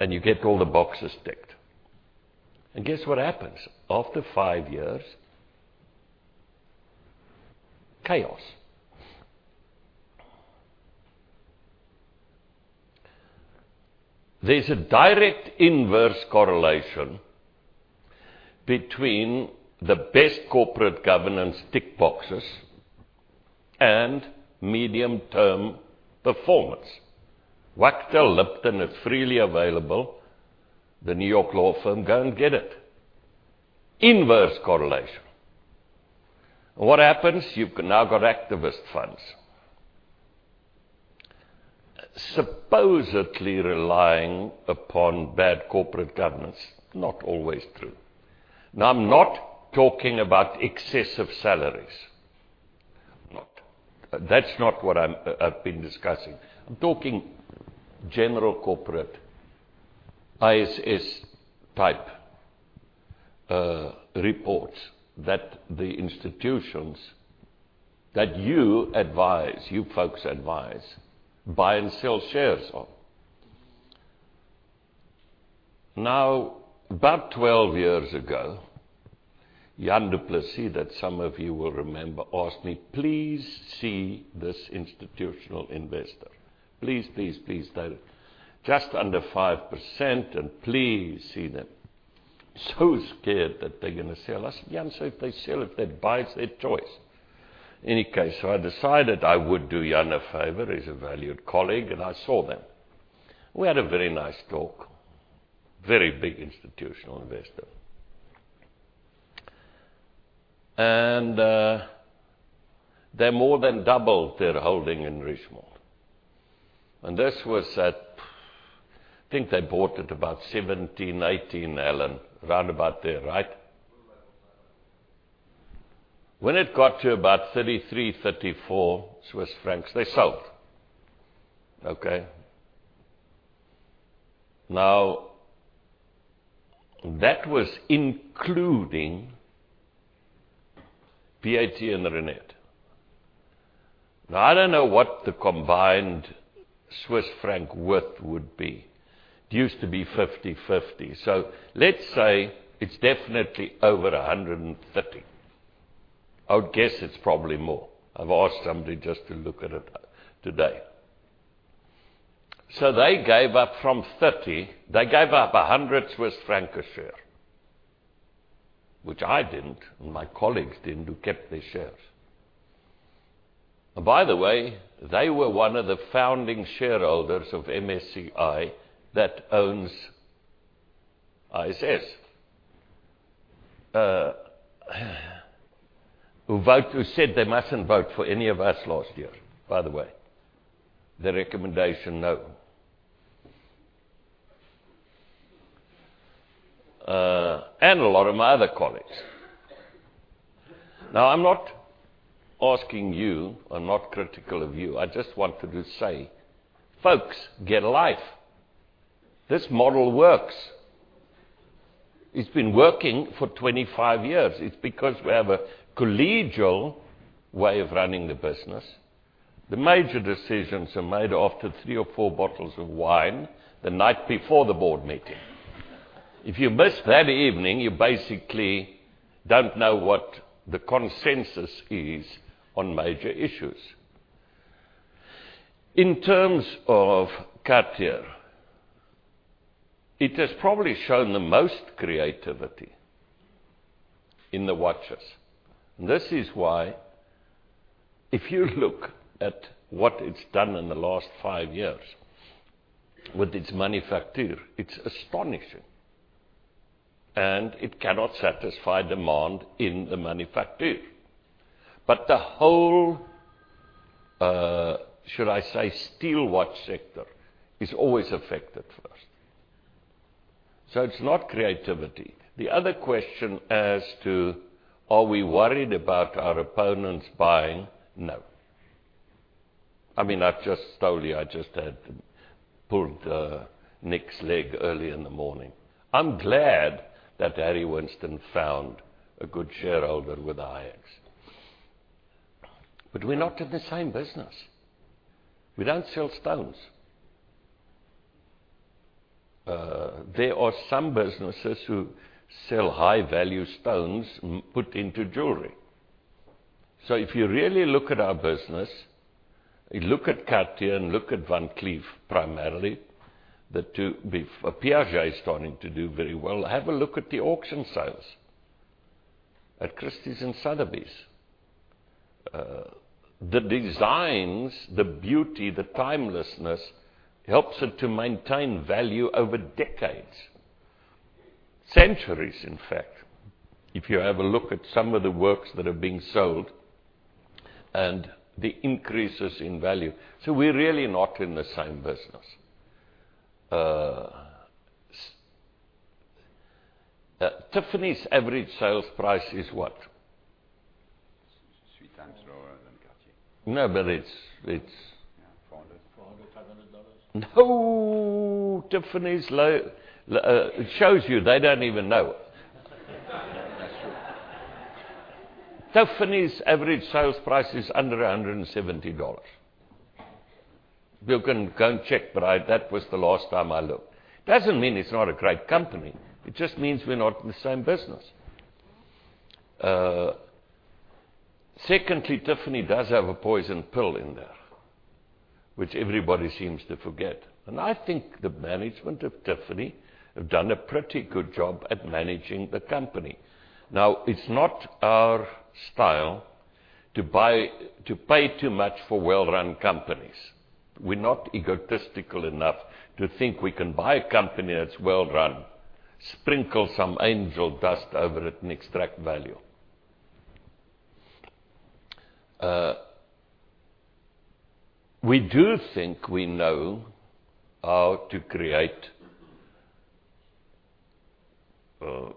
and you get all the boxes ticked. Guess what happens? After five years, chaos. There's a direct inverse correlation between the best corporate governance tick boxes and medium-term performance. Wachtell Lipton is freely available. The New York law firm, go and get it. Inverse correlation. What happens? You've now got activist funds supposedly relying upon bad corporate governance, not always true. I'm not talking about excessive salaries. I'm not. That's not what I've been discussing. I'm talking general corporate ISS-type reports that the institutions that you advise, you folks advise, buy and sell shares of. About 12 years ago, Jan du Plessis, that some of you will remember, asked me, "Please see this institutional investor. Please, please tell him. Just under 5%, and please see them." So scared that they're going to sell us. Jan said, "If they sell, if they buy, it's their choice." In any case, I decided I would do Jan a favor. He's a valued colleague, I saw them. We had a very nice talk. Very big institutional investor. They more than doubled their holding in Richemont. This was at, I think they bought it about 17, 18, Allan, around about there, right? Around about. When it got to about 33, 34 Swiss francs, they sold. Okay? That was including VAT and Reinet. I don't know what the combined Swiss franc worth would be. It used to be 50/50, so let's say it's definitely over 130. I would guess it's probably more. I've asked somebody just to look at it today. They gave up from 30, they gave up 100 Swiss francs a share, which I didn't, and my colleagues didn't who kept their shares. They were one of the founding shareholders of MSCI that owns ISS. Who said they mustn't vote for any of us last year, by the way. The recommendation, no. And a lot of my other colleagues. I'm not asking you, I'm not critical of you, I just wanted to say, "Folks, get a life. This model works." It's been working for 25 years. It's because we have a collegial way of running the business. The major decisions are made after three or four bottles of wine the night before the board meeting. If you miss that evening, you basically don't know what the consensus is on major issues. In terms of Cartier, it has probably shown the most creativity in the watches. And this is why if you look at what it's done in the last five years with its manufacture, it's astonishing, and it cannot satisfy demand in the manufacture. It's not creativity. The other question as to, are we worried about our opponents buying? No. I mean, I just told you, I just had to pull Nick's leg early in the morning. I'm glad that Harry Winston found a good shareholder with Swatch Group. But we're not in the same business. We don't sell stones. There are some businesses who sell high-value stones put into jewelry. If you really look at our business, you look at Cartier and look at Van Cleef primarily, the two, Piaget is starting to do very well. Have a look at the auction sales at Christie's and Sotheby's. The designs, the beauty, the timelessness helps it to maintain value over decades, centuries, in fact. If you have a look at some of the works that are being sold and the increases in value. We're really not in the same business. Tiffany's average sales price is what? It's three times lower than Cartier. No. EUR 400, EUR 500. No. Tiffany's low, shows you they don't even know it. That's true. Tiffany's average sales price is under $170. You can go and check, but that was the last time I looked. Doesn't mean it's not a great company. It just means we're not in the same business. Tiffany does have a poison pill in there, which everybody seems to forget. I think the management of Tiffany have done a pretty good job at managing the company. It's not our style to pay too much for well-run companies. We're not egotistical enough to think we can buy a company that's well-run, sprinkle some angel dust over it, and extract value. We do think we know how to create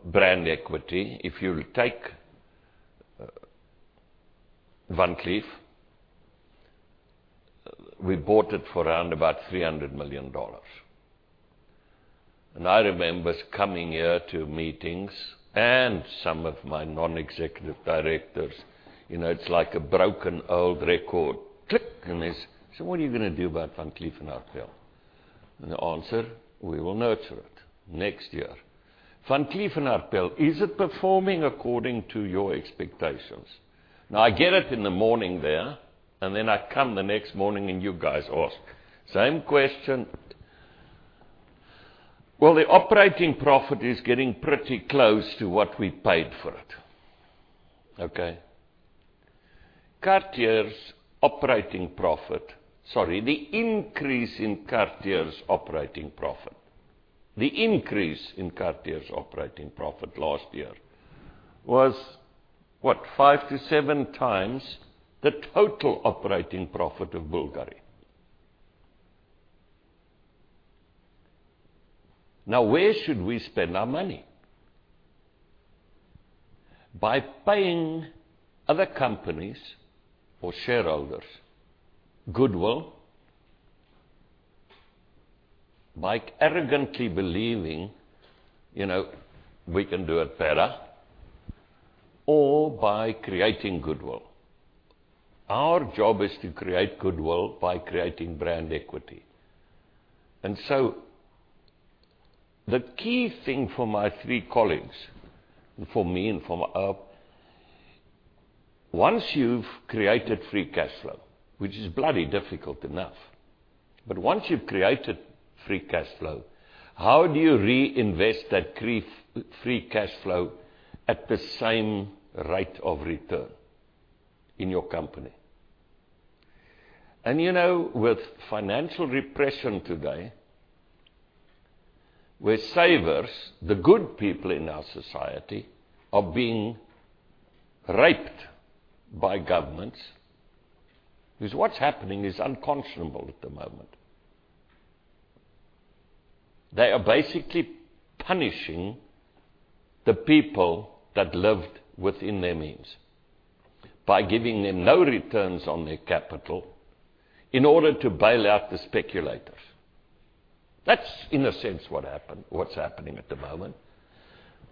brand equity. If you take Van Cleef, we bought it for around about $300 million. I remember coming here to meetings and some of my non-executive directors, it's like a broken old record. Click, they say, "So what are you going to do about Van Cleef & Arpels?" The answer, "We will nurture it next year." Van Cleef & Arpels, is it performing according to your expectations? I get it in the morning there, then I come the next morning and you guys ask. Same question. The operating profit is getting pretty close to what we paid for it. Okay? Cartier's operating profit, sorry, the increase in Cartier's operating profit. The increase in Cartier's operating profit last year was what? 5-7 times the total operating profit of Bulgari. Where should we spend our money? By paying other companies or shareholders goodwill? By arrogantly believing, we can do it better, or by creating goodwill? Our job is to create goodwill by creating brand equity. The key thing for my three colleagues, for me and for-- once you've created free cash flow, which is bloody difficult enough. Once you've created free cash flow, how do you reinvest that free cash flow at the same rate of return in your company? With financial repression today, where savers, the good people in our society, are being raped by governments, because what's happening is unconscionable at the moment. They are basically punishing the people that lived within their means by giving them no returns on their capital in order to bail out the speculators. That's in a sense what's happening at the moment.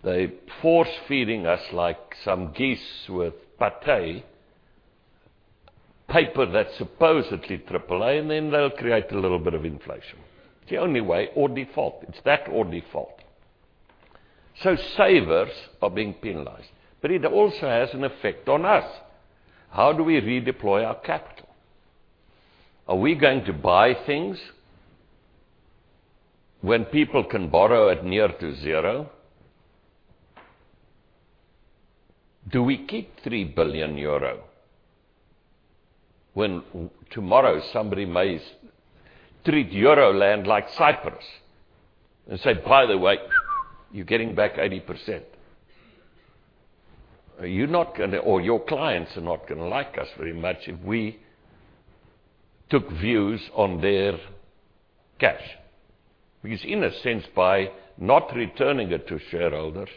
They force-feeding us like some geese with pâté, paper that's supposedly AAA, then they'll create a little bit of inflation. It's the only way, or default. It's that or default. Savers are being penalized, it also has an effect on us. How do we redeploy our capital? Are we going to buy things when people can borrow at near to zero? Do we keep 3 billion when tomorrow somebody may treat Euro land like Cyprus and say, "By the way, you're getting back 80%"? Your clients are not going to like us very much if we took views on their cash. In a sense, by not returning it to shareholders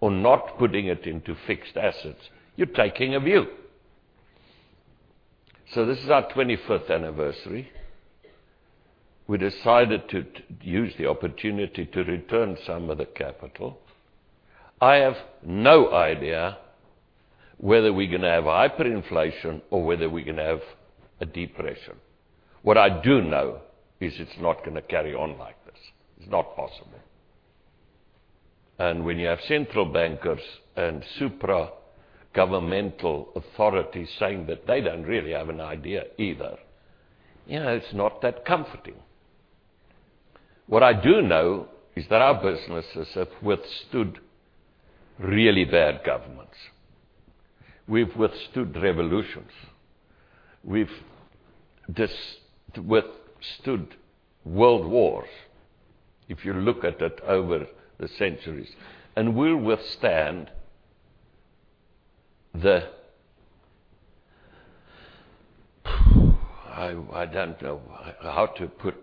or not putting it into fixed assets, you're taking a view. This is our 25th anniversary. We decided to use the opportunity to return some of the capital. I have no idea whether we're going to have hyperinflation or whether we're going to have a depression. What I do know is it's not going to carry on like this. It's not possible. When you have central bankers and supra-governmental authorities saying that they don't really have an idea either, you know it's not that comforting. What I do know is that our businesses have withstood really bad governments. We've withstood revolutions. We've withstood world wars, if you look at it over the centuries. We'll withstand the, I don't know how to put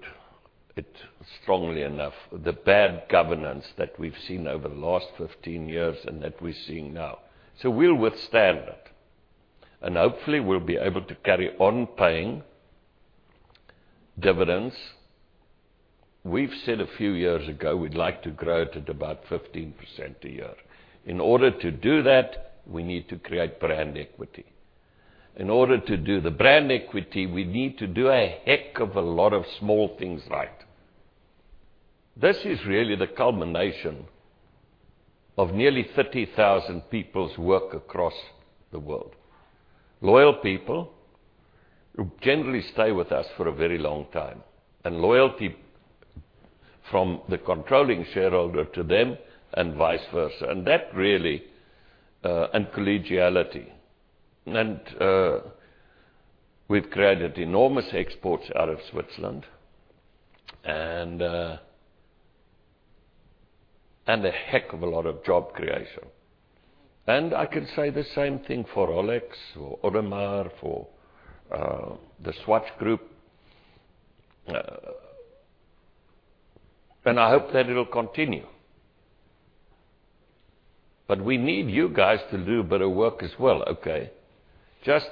it strongly enough, the bad governance that we've seen over the last 15 years and that we're seeing now. We'll withstand it, and hopefully, we'll be able to carry on paying dividends. We've said a few years ago we'd like to grow it at about 15% a year. In order to do that, we need to create brand equity. In order to do the brand equity, we need to do a heck of a lot of small things right. This is really the culmination of nearly 30,000 people's work across the world. Loyal people who generally stay with us for a very long time, and loyalty from the controlling shareholder to them and vice versa. Collegiality. We've created enormous exports out of Switzerland and a heck of a lot of job creation. I can say the same thing for Rolex or Audemars, for The Swatch Group. I hope that it'll continue. We need you guys to do a better work as well, okay? Just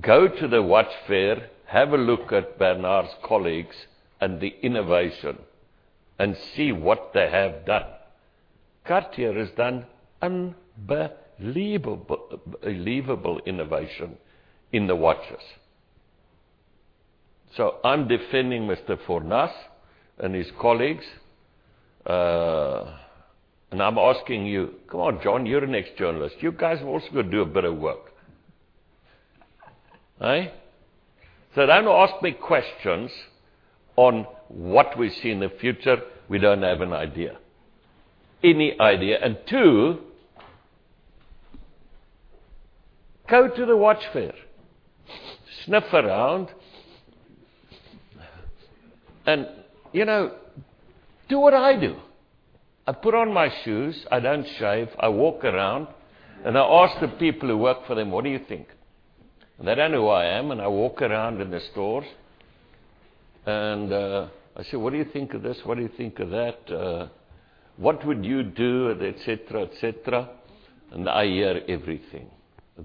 go to the watch fair, have a look at Bernard's colleagues and the innovation and see what they have done. Cartier has done unbelievable innovation in the watches. I'm defending Mr. Fornas and his colleagues. I'm asking you, come on, John, you're the next journalist. You guys have also got to do a better work. Hey. Don't ask me questions on what we see in the future. We don't have an idea. Any idea. Two, go to the watch fair. Sniff around. Do what I do. I put on my shoes, I don't shave, I walk around, and I ask the people who work for them, "What do you think?" They don't know who I am, and I walk around in the stores. I say, "What do you think of this? What do you think of that? What would you do?" Et cetera. I hear everything.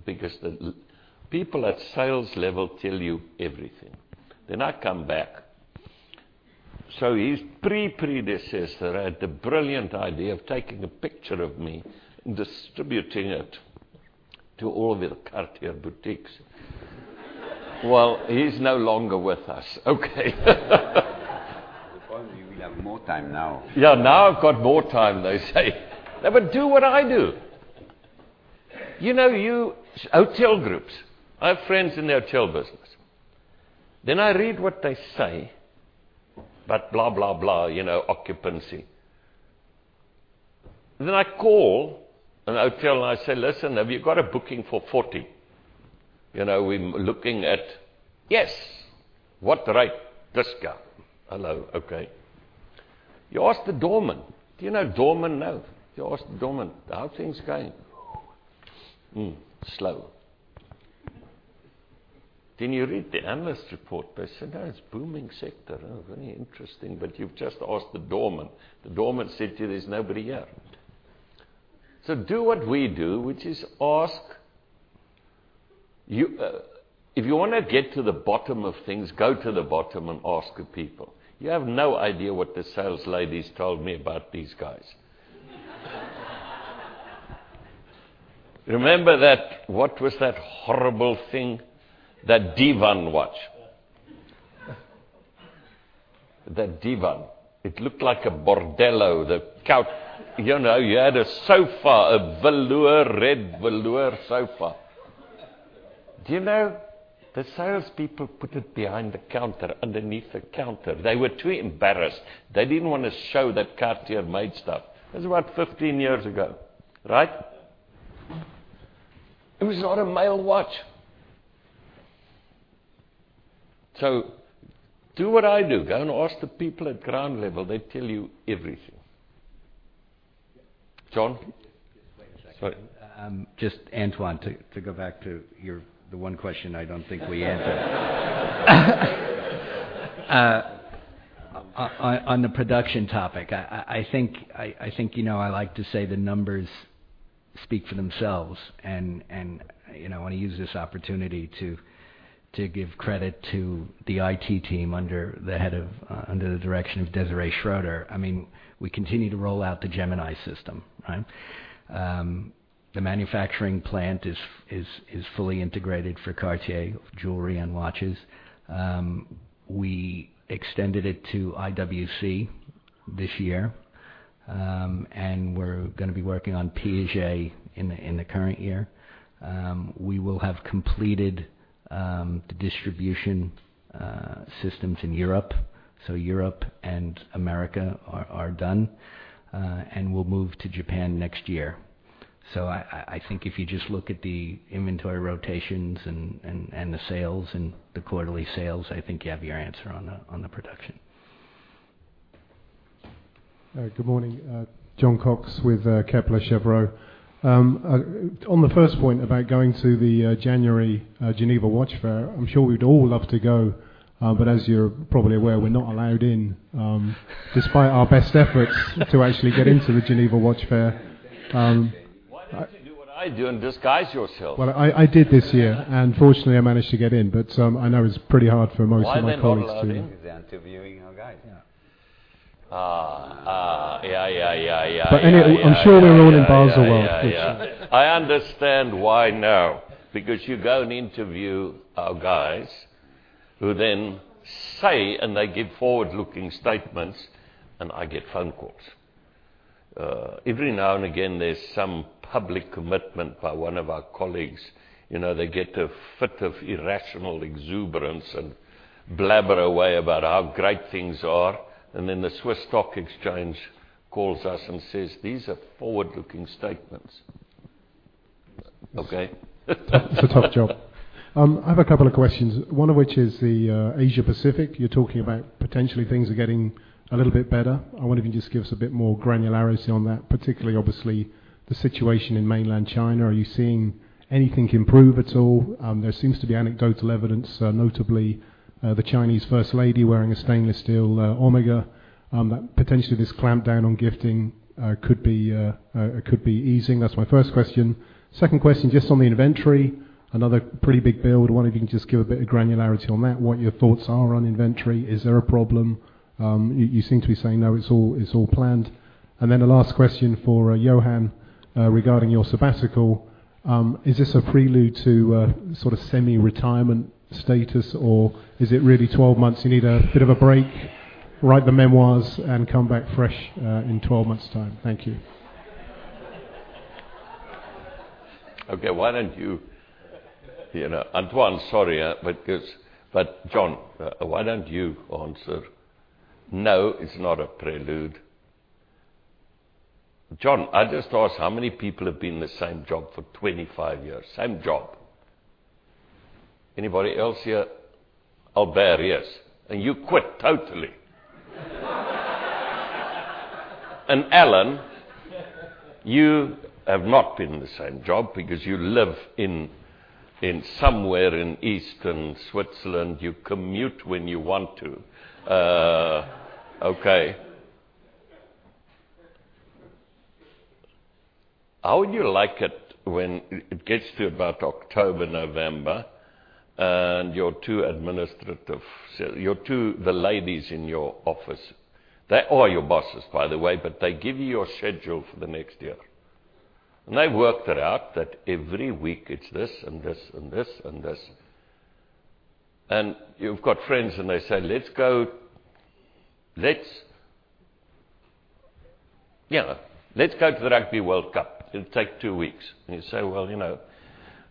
Because the people at sales level tell you everything. I come back. His pre-predecessor had the brilliant idea of taking a picture of me and distributing it to all of the Cartier boutiques. Well, he's no longer with us. Okay. The problem, you will have more time now. I've got more time, they say. Do what I do. Hotel groups. I have friends in the hotel business. I read what they say, about blah, blah, occupancy. I call a hotel, and I say, "Listen, have you got a booking for 40? We're looking at" "Yes." "What rate?" "Discount." "Hello, okay." You ask the doorman. Do you know doormen know. You ask the doorman, "How are things going?" "Slow." You read the analyst report. They said, "It's a booming sector." Very interesting, you've just asked the doorman. The doorman said to you there's nobody here. Do what we do, which is ask. If you want to get to the bottom of things, go to the bottom and ask the people. You have no idea what the sales ladies told me about these guys. Remember that, what was that horrible thing? That Divan watch. That Divan. It looked like a bordello, the couch. You had a sofa, a velour, red velour sofa. Do you know? The salespeople put it behind the counter, underneath the counter. They were too embarrassed. They didn't want to show that Cartier made stuff. This is about 15 years ago. Right? It was not a male watch. Do what I do. Go and ask the people at ground level. They tell you everything. John? Just wait a second. Sorry. Just Antoine, to go back to the one question I don't think we answered. On the production topic, I think I like to say the numbers speak for themselves, and I want to use this opportunity to give credit to the IT team under the direction of Desiree Schoeller. We continue to roll out the Gemini system. The manufacturing plant is fully integrated for Cartier jewelry and watches. We extended it to IWC this year, and we're going to be working on Piaget in the current year. We will have completed the distribution systems in Europe. Europe and America are done. We'll move to Japan next year. I think if you just look at the inventory rotations and the sales and the quarterly sales, I think you have your answer on the production. Good morning. Jon Cox with Kepler Cheuvreux. On the first point about going to the January Geneva Watch Fair, I'm sure we'd all love to go. As you're probably aware, we're not allowed in, despite our best efforts to actually get into the Geneva Watch Fair. Why don't you do what I do and disguise yourself? Well, I did this year, and fortunately, I managed to get in. I know it's pretty hard for most of my colleagues, too. Why don't all of you interview our guys? Yeah. Yeah. Anyway, I'm sure we're all in Baselworld, which- I understand why now. You go and interview our guys, who then say, and they give forward-looking statements, and I get phone calls. Every now and again, there's some public commitment by one of our colleagues. They get a fit of irrational exuberance and blabber away about how great things are, and then the SIX Swiss Exchange calls us and says, "These are forward-looking statements." Okay? It's a tough job. I have a couple of questions, one of which is the Asia-Pacific. You're talking about potentially things are getting a little bit better. I wonder if you can just give us a bit more granularity on that, particularly obviously the situation in mainland China. Are you seeing anything improve at all? There seems to be anecdotal evidence, notably, the Chinese first lady wearing a stainless steel Omega, that potentially this clampdown on gifting could be easing. That's my first question. Second question, just on the inventory. Another pretty big build. I wonder if you can just give a bit of granularity on that, what your thoughts are on inventory. Is there a problem? You seem to be saying no, it's all planned. Then a last question for Johann, regarding your sabbatical. Is this a prelude to a sort of semi-retirement status, or is it really 12 months, you need a bit of a break, write the memoirs, and come back fresh in 12 months' time? Thank you. Okay. Antoine, sorry, but John, why don't you answer? No, it's not a prelude. John, I just asked how many people have been in the same job for 25 years. Same job. Anybody else here? Albert, yes. You quit, totally. Alan, you have not been in the same job because you live somewhere in eastern Switzerland. You commute when you want to. Okay. How would you like it when it gets to about October, November, and your two administrative, the ladies in your office, they are your bosses, by the way, but they give you your schedule for the next year. They've worked it out that every week it's this and this and this and this. You've got friends and they say, "Let's go to the Rugby World Cup." It'll take two weeks. You say, "Well,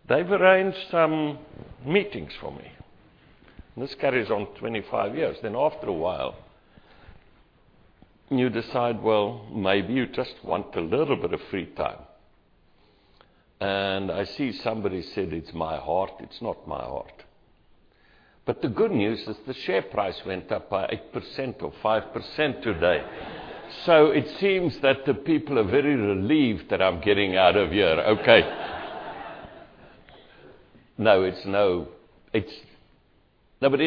they've arranged some meetings for me." This carries on 25 years. After a while, you decide, well, maybe you just want a little bit of free time. I see somebody said it's my heart. It's not my heart. The good news is the share price went up by 8% or 5% today. It seems that the people are very relieved that I'm getting out of here. Okay. In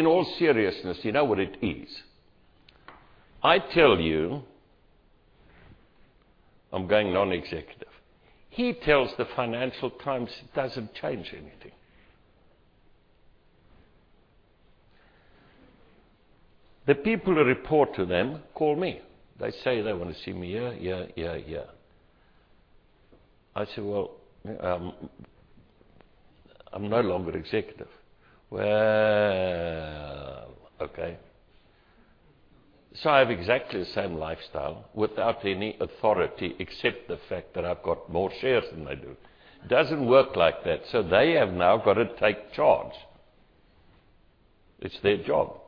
all seriousness, you know what it is? I tell you I'm going non-executive. He tells the Financial Times it doesn't change anything. The people who report to them call me. They say they want to see me here, here. I say, "Well, I'm no longer executive." "Well, okay." I have exactly the same lifestyle without any authority, except for the fact that I've got more shares than they do. It doesn't work like that. They have now got to take charge. It's their job.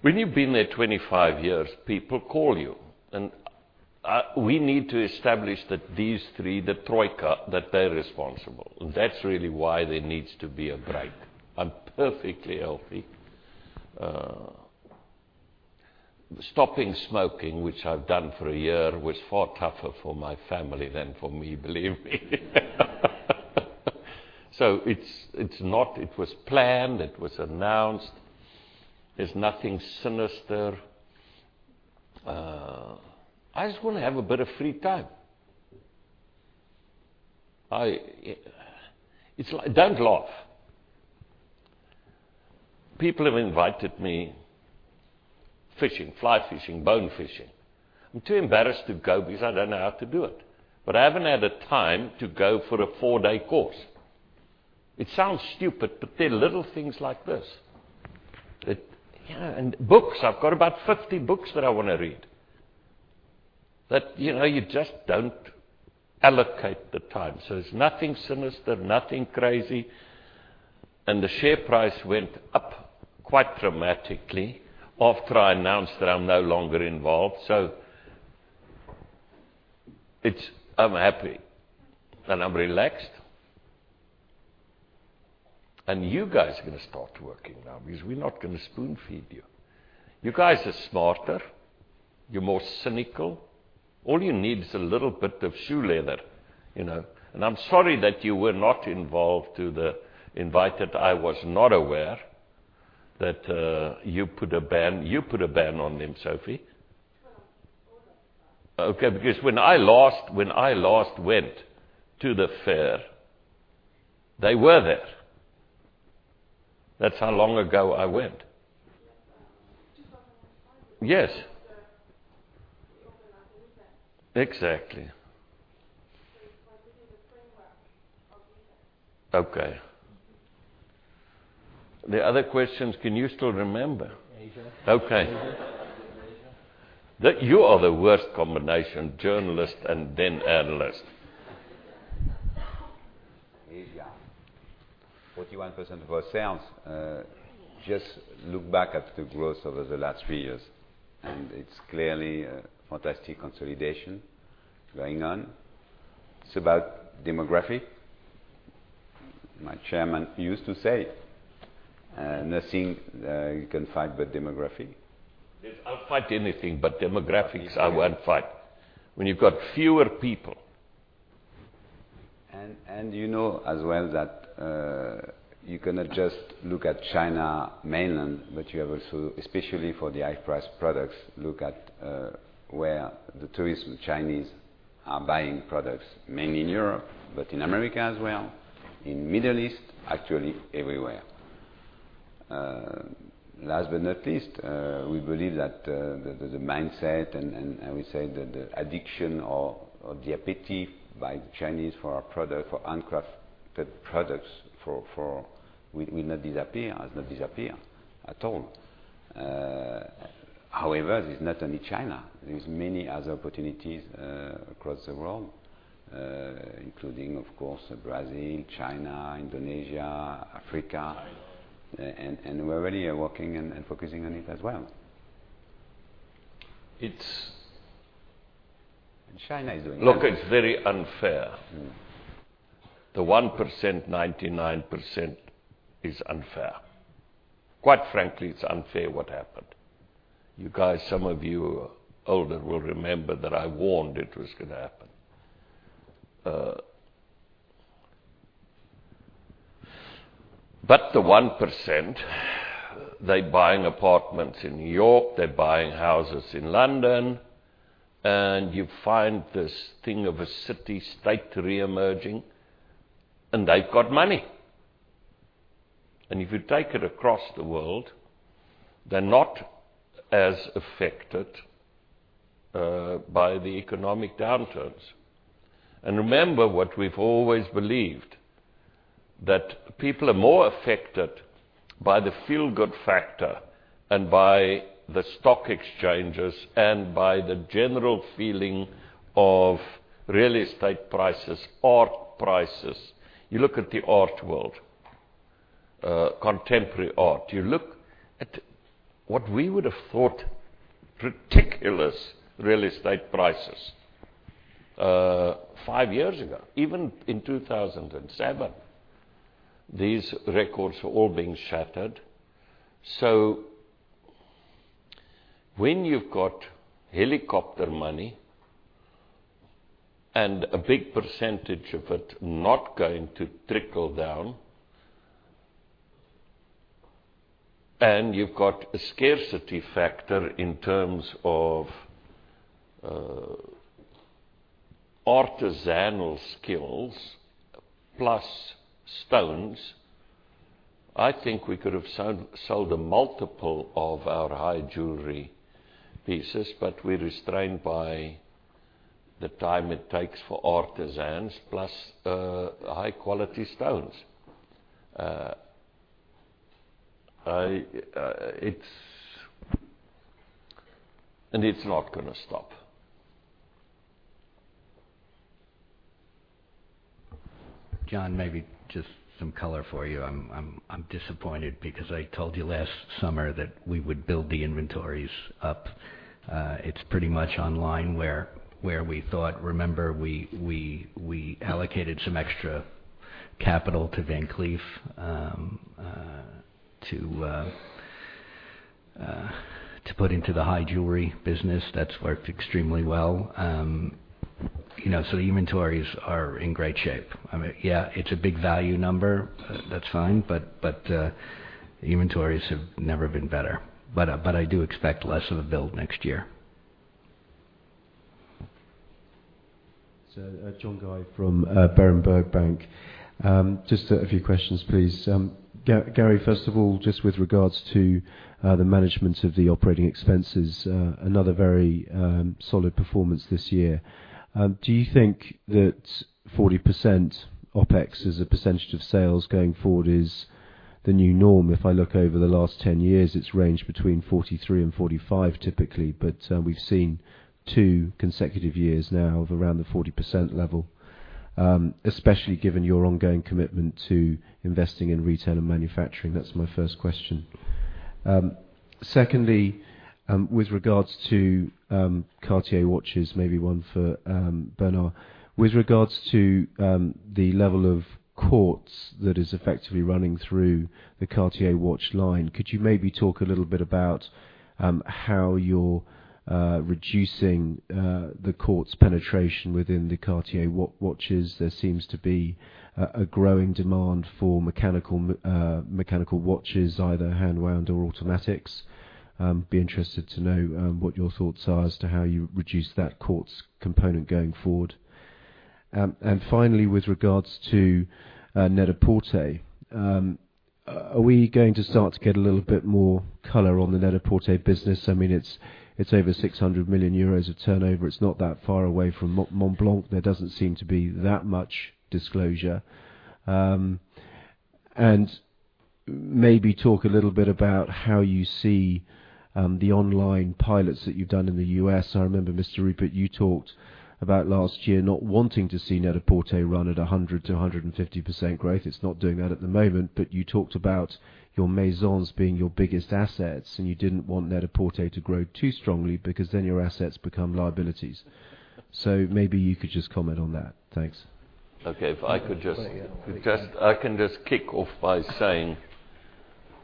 When you've been there 25 years, people call you, and we need to establish that these three, the troika, that they're responsible. That's really why there needs to be a break. I'm perfectly healthy. Stopping smoking, which I've done for a year, was far tougher for my family than for me, believe me. It was planned. It was announced. There's nothing sinister. I just want to have a bit of free time. Don't laugh. People have invited me fishing, fly fishing, bone fishing. I'm too embarrassed to go because I don't know how to do it. I haven't had the time to go for a four-day course. It sounds stupid, but they're little things like this. Books, I've got about 50 books that I want to read, that you just don't allocate the time. It's nothing sinister, nothing crazy. The share price went up quite dramatically after I announced that I'm no longer involved. I'm happy and I'm relaxed. You guys are going to start working now because we're not going to spoon-feed you. You guys are smarter. You're more cynical. All you need is a little bit of shoe leather. I'm sorry that you were not invited. I was not aware that you put a ban. You put a ban on him, Sophie. Well, all of them. Okay, because when I last went to the fair, they were there. That's how long ago I went. Yes, 2025. Yes. We organize events. Exactly. It's like within the framework of events. Okay. The other questions, can you still remember? Asia. Okay. You are the worst combination, journalist and then analyst. Asia. 41% of our sales, just look back at the growth over the last three years, it's clearly a fantastic consolidation going on. It's about demography. My Chairman used to say, "Nothing you can fight but demography. I'll fight anything, demographics I won't fight. When you've got fewer people. You know as well that you cannot just look at China mainland, but you have also, especially for the high-price products, look at where the tourism Chinese are buying products, mainly in Europe, but in America as well, in Middle East, actually everywhere. Last but not least, we believe that the mindset and we say the addiction or the appetite by the Chinese for our handcrafted products will not disappear, has not disappeared. At all. However, this is not only China. There are many other opportunities across the world, including, of course, Brazil, China, Indonesia, Africa. China. We're really working and focusing on it as well. It's- China is doing well. Look, it's very unfair. The 1%, 99% is unfair. Quite frankly, it's unfair what happened. You guys, some of you who are older will remember that I warned it was going to happen. The 1%, they're buying apartments in New York, they're buying houses in London, and you find this thing of a city state reemerging, and they've got money. If you take it across the world, they're not as affected by the economic downturns. Remember what we've always believed, that people are more affected by the feel-good factor and by the stock exchanges, and by the general feeling of real estate prices, art prices. You look at the art world, contemporary art. You look at what we would have thought ridiculous real estate prices five years ago. Even in 2007. These records are all being shattered. When you've got helicopter money and a big percentage of it not going to trickle down, and you've got a scarcity factor in terms of artisanal skills plus stones, I think we could have sold a multiple of our high jewelry pieces, but we're restrained by the time it takes for artisans plus high-quality stones. It's not gonna stop. John, maybe just some color for you. I'm disappointed because I told you last summer that we would build the inventories up. It's pretty much online where we thought. Remember, we allocated some extra capital to Van Cleef to put into the high jewelry business. That's worked extremely well. The inventories are in great shape. It's a big value number, that's fine, but inventories have never been better. I do expect less of a build next year. John Guy from Berenberg Bank. Just a few questions, please. Gary, first of all, just with regards to the management of the operating expenses, another very solid performance this year. Do you think that 40% OpEx as a percentage of sales going forward is the new norm? If I look over the last 10 years, it's ranged between 43% and 45% typically. We've seen two consecutive years now of around the 40% level, especially given your ongoing commitment to investing in retail and manufacturing. That's my first question. Secondly, with regards to Cartier watches, maybe one for Bernard. With regards to the level of Quartz that is effectively running through the Cartier watch line, could you maybe talk a little bit about how you're reducing the Quartz penetration within the Cartier watches? There seems to be a growing demand for mechanical watches, either hand-wound or automatics. Be interested to know what your thoughts are as to how you reduce that Quartz component going forward. Finally, with regards to Net-a-Porter, are we going to start to get a little bit more color on the Net-a-Porter business? It's over 600 million euros of turnover. It's not that far away from Montblanc. There doesn't seem to be that much disclosure. Maybe talk a little bit about how you see the online pilots that you've done in the U.S. I remember, Mr. Rupert, you talked about last year not wanting to see Net-a-Porter run at 100%-150% growth. It's not doing that at the moment. You talked about your Maisons being your biggest assets, and you didn't want Net-a-Porter to grow too strongly because then your assets become liabilities. Maybe you could just comment on that. Thanks. Okay. If I could. Yeah I can just kick off by saying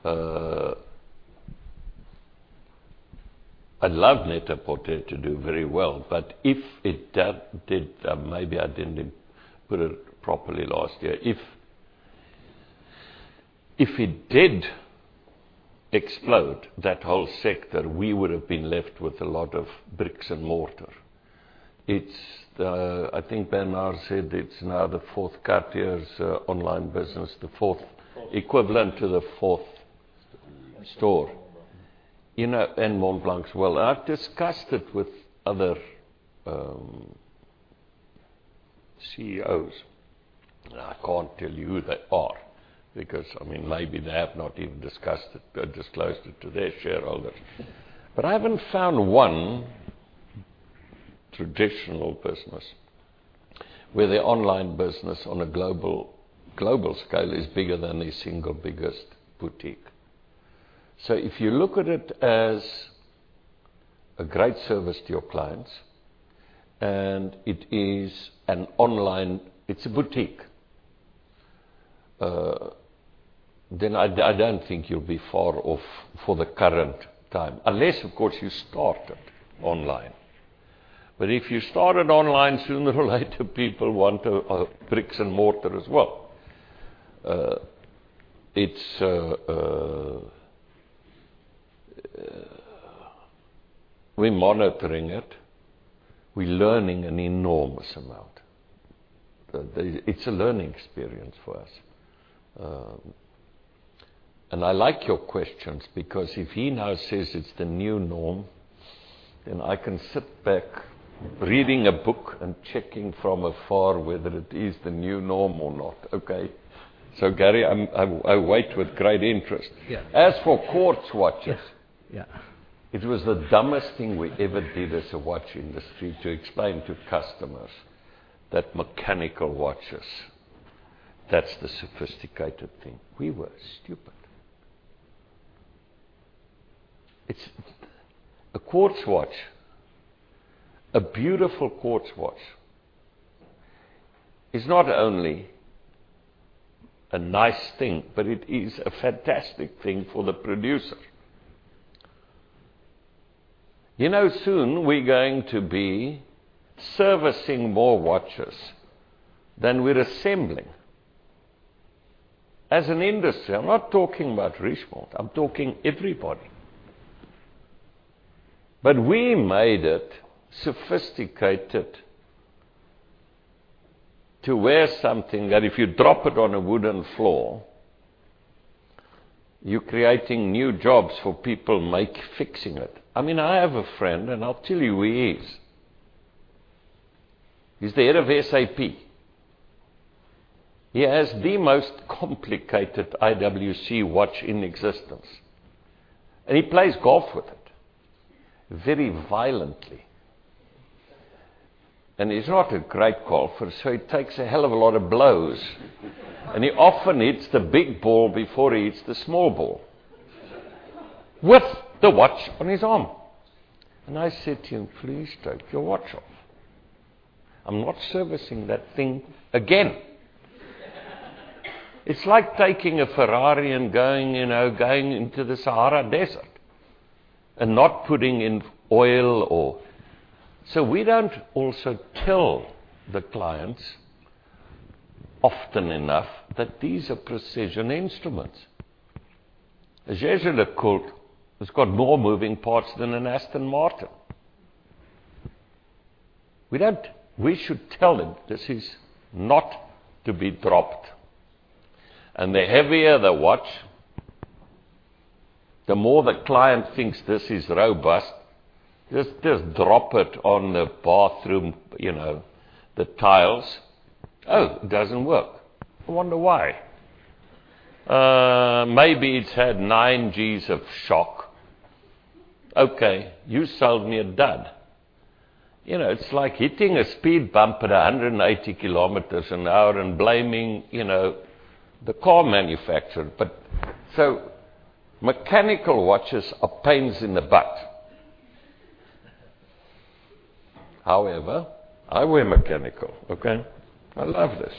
I'd love Net-a-Porter to do very well, but if it did. Maybe I didn't put it properly last year. If it did explode, that whole sector, we would have been left with a lot of bricks and mortar. I think Bernard said it's now the fourth Cartier's online business, the fourth Fourth equivalent to the fourth store. Montblanc. Montblanc as well. I've discussed it with other CEOs. I can't tell you who they are because maybe they have not even discussed it or disclosed it to their shareholders. I haven't found one traditional business where their online business on a global scale is bigger than their single biggest boutique. If you look at it as a great service to your clients, and it is an online boutique. I don't think you'll be far off for the current time, unless, of course, you started online. If you started online, sooner or later, people want a bricks and mortar as well. We're monitoring it. We're learning an enormous amount. It's a learning experience for us. I like your questions because if he now says it's the new norm, then I can sit back reading a book and checking from afar whether it is the new norm or not. Okay. Gary, I wait with great interest. Yeah. As for Quartz watches. Yeah It was the dumbest thing we ever did as a watch industry to explain to customers that mechanical watches, that's the sophisticated thing. We were stupid. A quartz watch, a beautiful quartz watch, is not only a nice thing, but it is a fantastic thing for the producer. Soon we're going to be servicing more watches than we're assembling. As an industry, I'm not talking about Richemont, I'm talking everybody. We made it sophisticated to wear something that if you drop it on a wooden floor, you're creating new jobs for people fixing it. I have a friend, and I'll tell you who he is. He's the head of SAP. He has the most complicated IWC watch in existence. He plays golf with it very violently. He's not a great golfer, so it takes a hell of a lot of blows. He often hits the big ball before he hits the small ball. With the watch on his arm. I said to him, "Please take your watch off. I'm not servicing that thing again." It's like taking a Ferrari and going into the Sahara Desert and not putting in oil or We don't also tell the clients often enough that these are precision instruments. A Jaeger-LeCoultre has got more moving parts than an Aston Martin. We should tell them this is not to be dropped. The heavier the watch, the more the client thinks this is robust. Just drop it on the bathroom, the tiles. Oh, it doesn't work. I wonder why. Maybe it's had 9 Gs of shock. Okay, you sold me a dud. It's like hitting a speed bump at 180 kilometers an hour and blaming the car manufacturer. Mechanical watches are pains in the butt. However, I wear mechanical. Okay. I love this.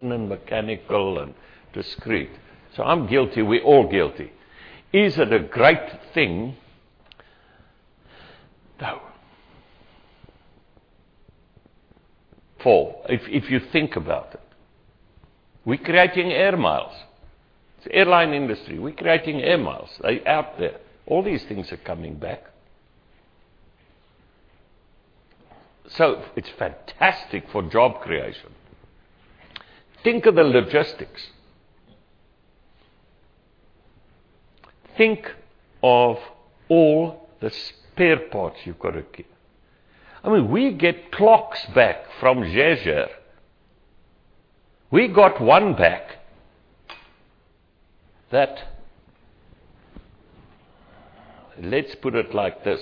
Nice and mechanical and discreet. I'm guilty, we're all guilty. Is it a great thing, though, Paul, if you think about it. We're creating air miles. It's the airline industry. We're creating air miles. They're out there. All these things are coming back. It's fantastic for job creation. Think of the logistics. Think of all the spare parts you've got to keep. We get clocks back from Jaeger. We got one back that, let's put it like this,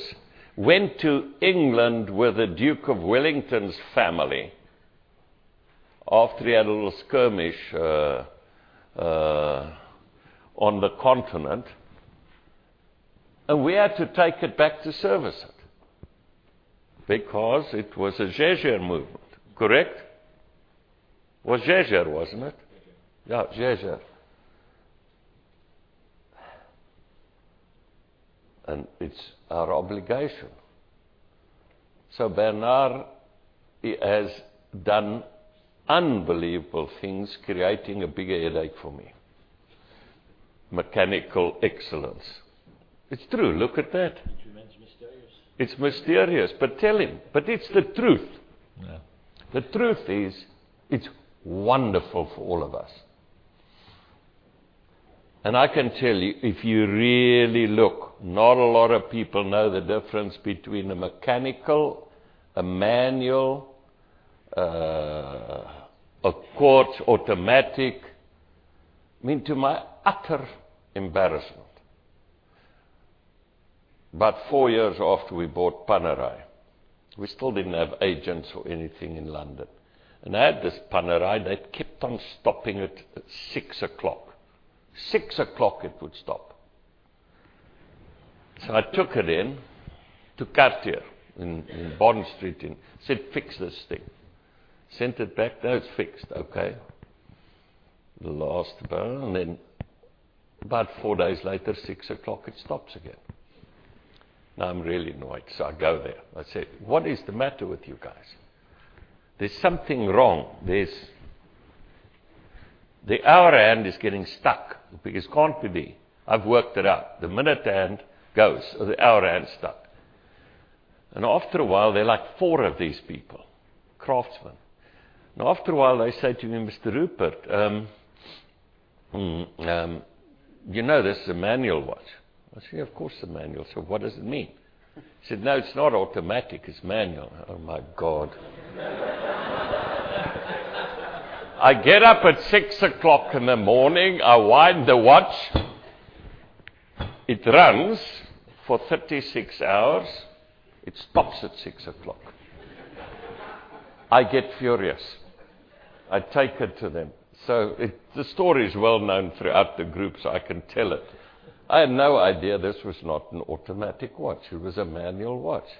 went to England with the Duke of Wellington's family after he had a little skirmish on the continent. We had to take it back to service it because it was a Jaeger movement. Correct? It was Jaeger, wasn't it? Jaeger-LeCoultre. Ja, Jaeger-LeCoultre. It's our obligation. Bernard, he has done unbelievable things, creating a bigger headache for me. Mechanical excellence. It's true. Look at that. It remains mysterious. It's mysterious. Tell him. It's the truth. Yeah. The truth is, it's wonderful for all of us. I can tell you, if you really look, not a lot of people know the difference between a mechanical, a manual, a Quartz automatic. I mean, to my utter embarrassment, about four years after we bought Panerai, we still didn't have agents or anything in London. I had this Panerai, and it kept on stopping at 6:00. 6:00 it would stop. I took it in to Cartier in Bond Street and said, "Fix this thing." Sent it back. "No, it's fixed." Okay. The last bow, about four days later, 6:00, it stops again. I'm really annoyed, I go there. I say, "What is the matter with you guys? There's something wrong. The hour hand is getting stuck." He goes, "Can't be. I've worked it out. The minute hand goes, or the hour hand's stuck." After a while, there are like four of these people, craftsmen. After a while they say to me, "Mr. Rupert, you know this is a manual watch?" I say, "Of course it's a manual." Said, "What does it mean?" He said, "No, it's not automatic, it's manual." Oh my God. I get up at 6:00 in the morning. I wind the watch. It runs for 36 hours. It stops at 6:00. I get furious. I take it to them. The story's well-known throughout the group, I can tell it. I had no idea this was not an automatic watch. It was a manual watch.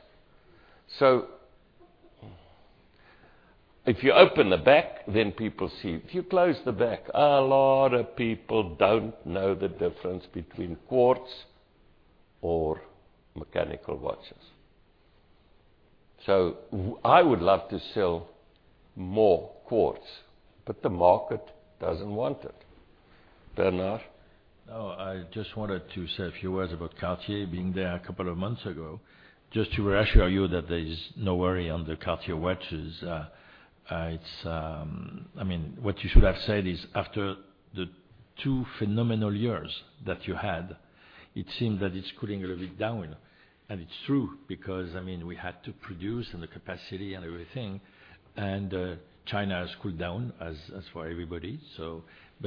If you open the back, then people see. If you close the back, a lot of people don't know the difference between Quartz or mechanical watches. I would love to sell more quartz, but the market doesn't want it. Bernard? I just wanted to say a few words about Cartier, being there a couple of months ago. Just to reassure you that there is no worry on the Cartier watches. What you should have said is, after the two phenomenal years that you had, it seemed that it's cooling a little bit down. It's true, because we had to produce, and the capacity and everything. China has cooled down, as for everybody.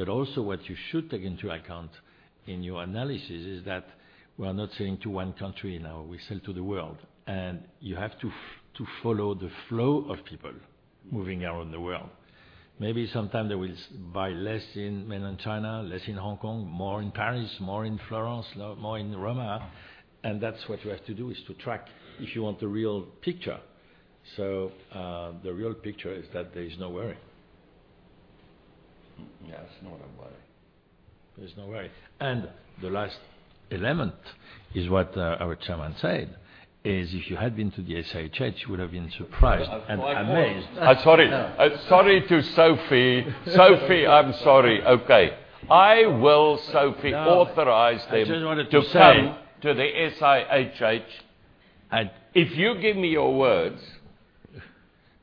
Also, what you should take into account in your analysis is that we are not selling to one country now, we sell to the world. You have to follow the flow of people moving around the world. Maybe sometime they will buy less in mainland China, less in Hong Kong, more in Paris, more in Florence, more in Rome. That's what you have to do, is to track if you want the real picture. The real picture is that there is no worry. There's no worry. There's no worry. The last element is what our Chairman said, is if you had been to the SIHH, you would've been surprised and amazed. I'm sorry. Sorry to Sophie. Sophie, I'm sorry. Okay. I will, Sophie, authorize them. I just wanted to say. to come to the SIHH. If you give me your words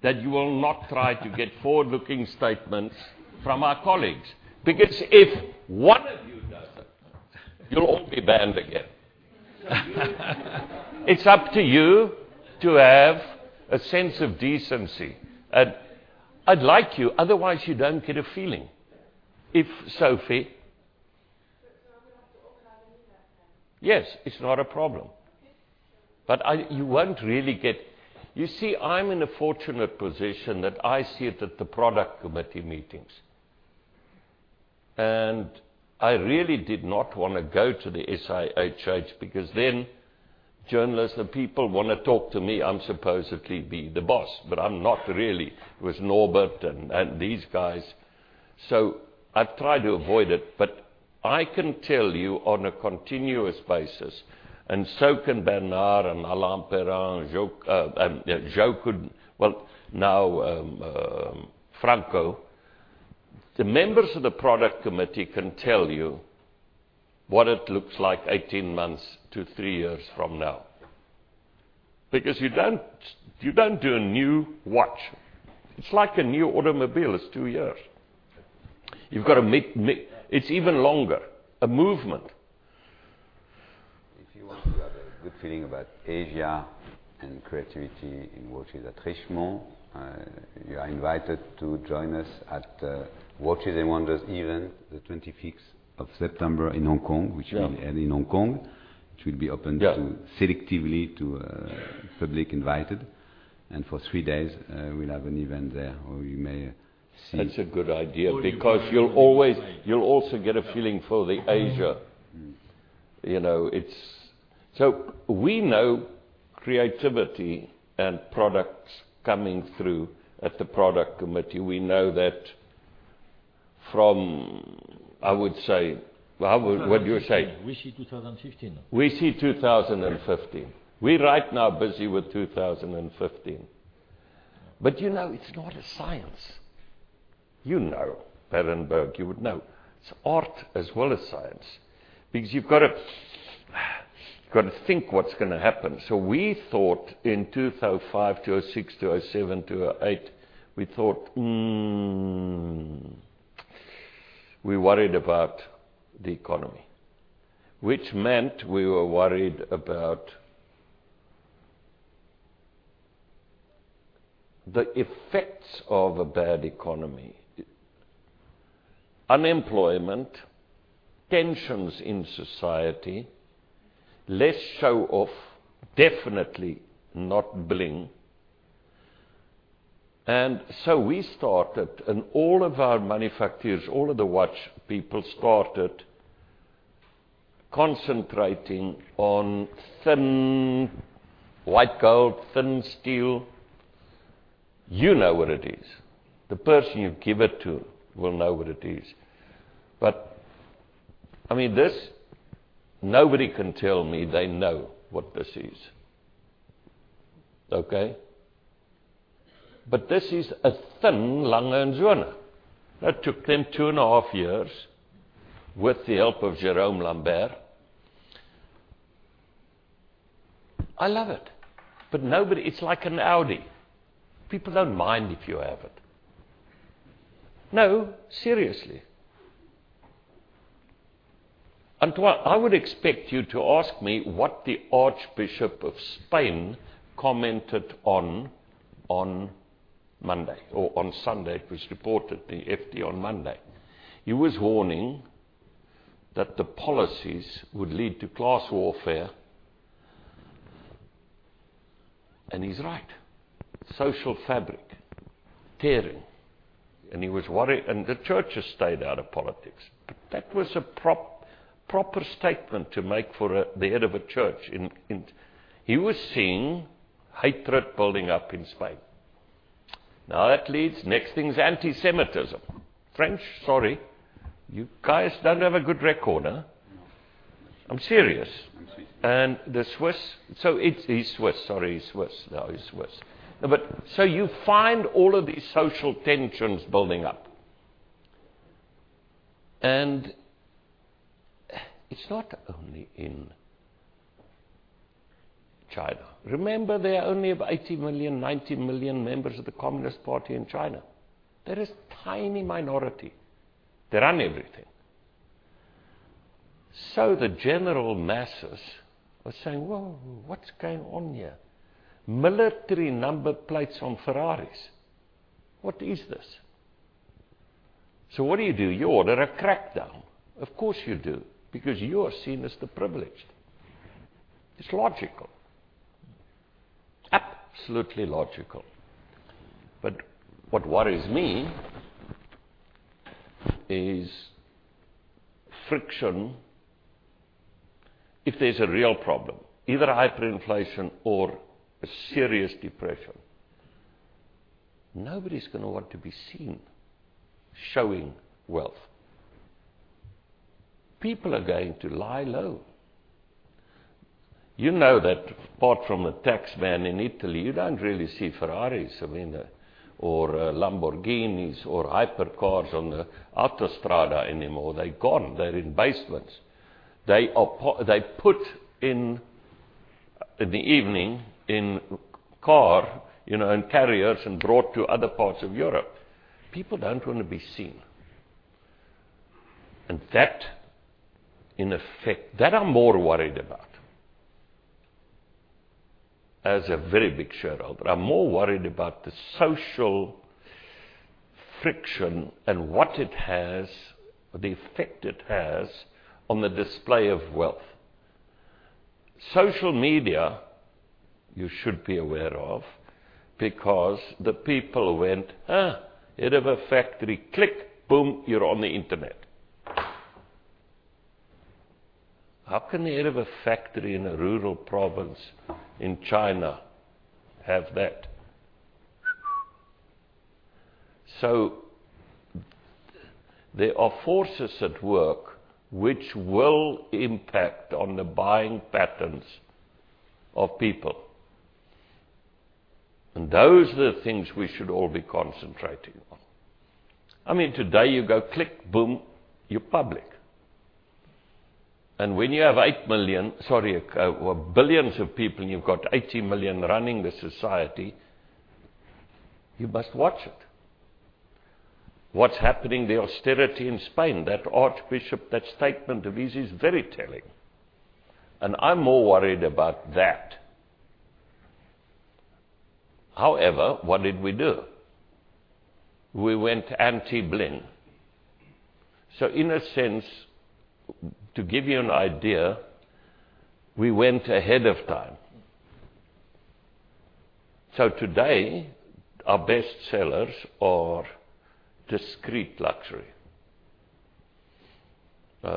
that you will not try to get forward-looking statements from our colleagues. If one of you does it, you'll all be banned again. It's up to you to have a sense of decency. I'd like you Otherwise you don't get a feeling. If Sophie. I'm going to have to organize it then. Yes. It's not a problem. Okay. You see, I'm in a fortunate position that I see it at the product committee meetings. I really did not want to go to the SIHH, because then journalists and people want to talk to me. I'm supposedly be the boss, but I'm not really. It was Norbert and these guys. I've tried to avoid it, but I can tell you on a continuous basis, and so can Bernard and Alain Perrin, Jo, well, now Franco. The members of the product committee can tell you what it looks like 18 months to three years from now. You don't do a new watch. It's like a new automobile. It's two years. It's even longer, a movement. If you want to have a good feeling about Asia and creativity in watches at Richemont, you are invited to join us at Watches & Wonders event, the 26th of September in Hong Kong. Yeah. Which will be held in Hong Kong, which will be open to. Yeah selectively to public invited. For three days, we'll have an event there where we may see. That's a good idea, because you'll also get a feeling for the Asia. We know creativity and products coming through at the product committee. We know that from, I would say, what do you say? We see 2015. We see 2015. We're right now busy with 2015. It's not a science. You know, Berenberg, you would know. It's art as well as science, because you've got to think what's going to happen. We thought in 2005, 2006, 2007, 2008, we thought, "Hmm." We worried about the economy, which meant we were worried about the effects of a bad economy. Unemployment, tensions in society, less show-off, definitely not bling. We started, and all of our manufacturers, all of the watch people started concentrating on thin white gold, thin steel. You know what it is. The person you give it to will know what it is. This, nobody can tell me they know what this is. Okay? This is a thin A. Lange & Söhne. That took them two and a half years with the help of Jérôme Lambert. I love it. Nobody It's like an Audi. People don't mind if you have it. No, seriously. Antoine, I would expect you to ask me what the Archbishop of Spain commented on Monday or on Sunday. It was reported in the FT on Monday. He was warning that the policies would lead to class warfare. He's right. Social fabric tearing. He was worried. The church has stayed out of politics. That was a proper statement to make for the head of a church. He was seeing hatred building up in Spain. That leads, next thing is antisemitism. French, sorry, you guys don't have a good record. No. I'm serious. I see. The Swiss. It's, he's Swiss, sorry. He's Swiss. No, he's Swiss. You find all of these social tensions building up. It's not only in China. Remember, there are only about 80 million, 90 million members of the Communist Party in China. That is tiny minority. They run everything. The general masses are saying, "Whoa, what's going on here?" Military number plates on Ferraris. What is this? What do you do? You order a crackdown. Of course you do, because you are seen as the privileged. It's logical. Absolutely logical. What worries me is friction. If there's a real problem, either hyperinflation or a serious depression, nobody's going to want to be seen showing wealth. People are going to lie low. You know that apart from the tax man in Italy, you don't really see Ferraris or Lamborghini or hypercars on the autostrada anymore. They're gone. They're in basements. They put in the evening in car, in carriers and brought to other parts of Europe. People don't want to be seen. That in effect, that I'm more worried about. As a very big shareholder, I'm more worried about the social friction and what it has, the effect it has on the display of wealth. Social media, you should be aware of, because the people went, huh, head of a factory, click, boom, you're on the internet. How can the head of a factory in a rural province in China have that? There are forces at work which will impact on the buying patterns of people. Those are the things we should all be concentrating on. Today you go click, boom, you're public. When you have 8 million, sorry, billions of people and you've got 80 million running the society, you must watch it. What's happening, the austerity in Spain, that archbishop, that statement of his is very telling. I'm more worried about that. What did we do? We went anti-bling. In a sense, to give you an idea, we went ahead of time. Today, our best sellers are discreet luxury. I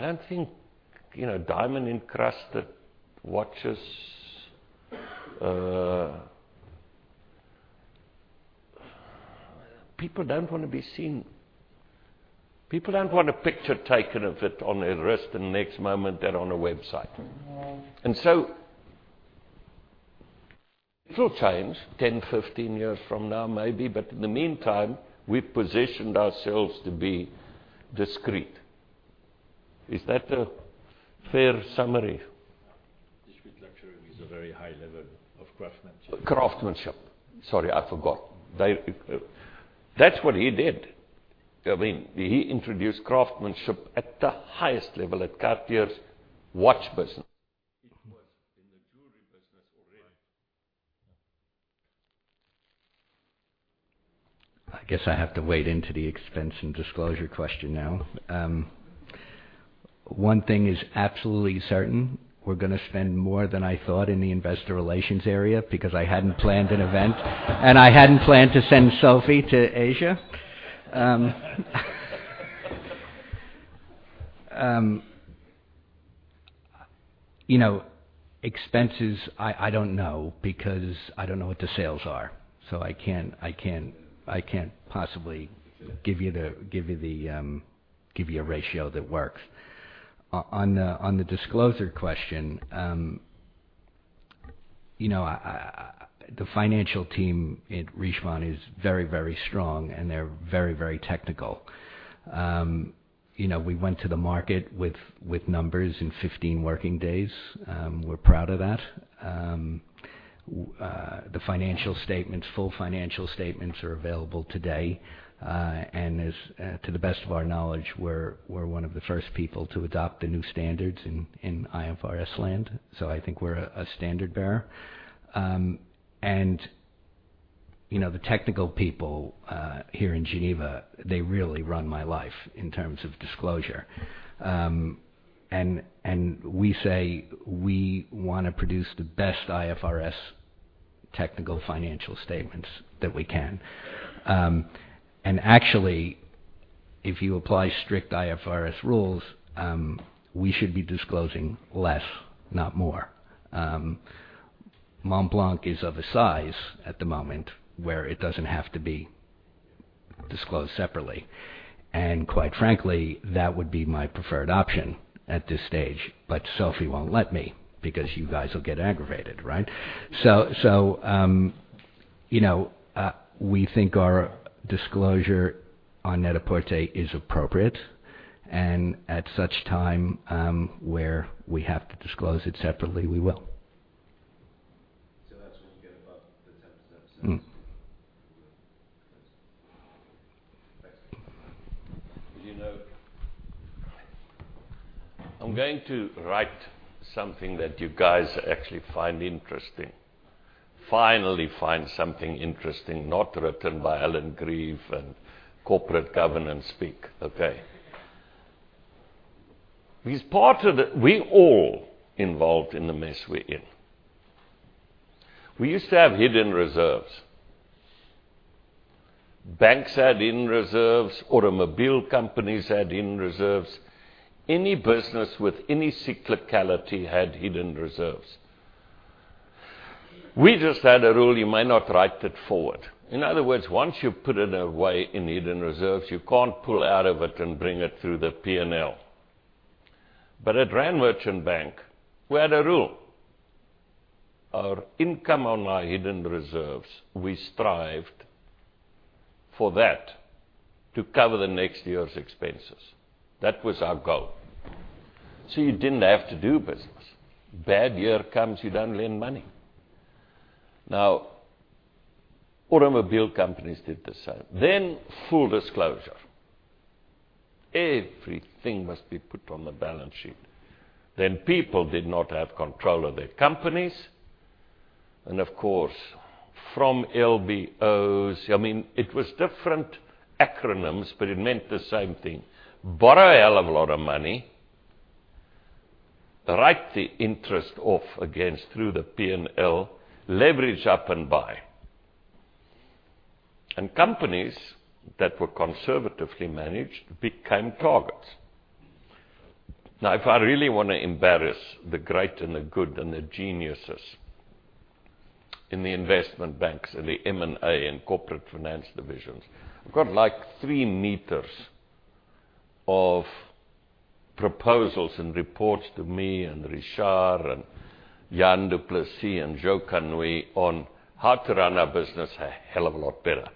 don't think diamond-encrusted watches. People don't want to be seen. People don't want a picture taken of it on their wrist, and the next moment they're on a website. It will change 10, 15 years from now, maybe. In the meantime, we've positioned ourselves to be discreet. Is that a fair summary? Discreet luxury with a very high level of craftsmanship. Craftsmanship. Sorry, I forgot. That's what he did. I mean, he introduced craftsmanship at the highest level at Cartier's watch business. It was in the jewelry business already. I guess I have to wade into the expense and disclosure question now. One thing is absolutely certain, we're going to spend more than I thought in the investor relations area because I hadn't planned an event, and I hadn't planned to send Sophie to Asia. Expenses, I don't know, because I don't know what the sales are. I can't possibly give you a ratio that works. On the disclosure question, the financial team at Richemont is very, very strong and they're very, very technical. We went to the market with numbers in 15 working days. We're proud of that. The financial statements, full financial statements are available today. As to the best of our knowledge, we're one of the first people to adopt the new standards in IFRS land. I think we're a standard-bearer. The technical people here in Geneva, they really run my life in terms of disclosure. We say we want to produce the best IFRS technical financial statements that we can. Actually, if you apply strict IFRS rules, we should be disclosing less, not more. Montblanc is of a size at the moment where it doesn't have to be disclosed separately. Quite frankly, that would be my preferred option at this stage, but Sophie won't let me because you guys will get aggravated, right? We think our disclosure on Net-a-Porter is appropriate, and at such time, where we have to disclose it separately, we will. That's when you get above the 10% sales. You will disclose. Thanks. I'm going to write something that you guys actually find interesting. Finally find something interesting not written by Alan Grieve and corporate governance speak, okay? We all involved in the mess we're in. We used to have hidden reserves. Banks had hidden reserves, automobile companies had hidden reserves. Any business with any cyclicality had hidden reserves. We just had a rule you may not write it forward. In other words, once you put it away in hidden reserves, you can't pull out of it and bring it through the P&L. At Rand Merchant Bank, we had a rule. Our income on our hidden reserves, we strived for that to cover the next year's expenses. That was our goal. You didn't have to do business. Bad year comes, you don't lend money. Now, automobile companies did the same. Full disclosure. Everything must be put on the balance sheet. People did not have control of their companies. Of course, from LBOs, I mean, it was different acronyms, but it meant the same thing. Borrow a hell of a lot of money, write the interest off against through the P&L, leverage up and buy. Companies that were conservatively managed became targets. Now, if I really want to embarrass the great and the good and the geniuses in the investment banks and the M&A and corporate finance divisions, I've got three meters of proposals and reports to me and Richard and Jan du Plessis and Joseph Kanoui on how to run our business a hell of a lot better.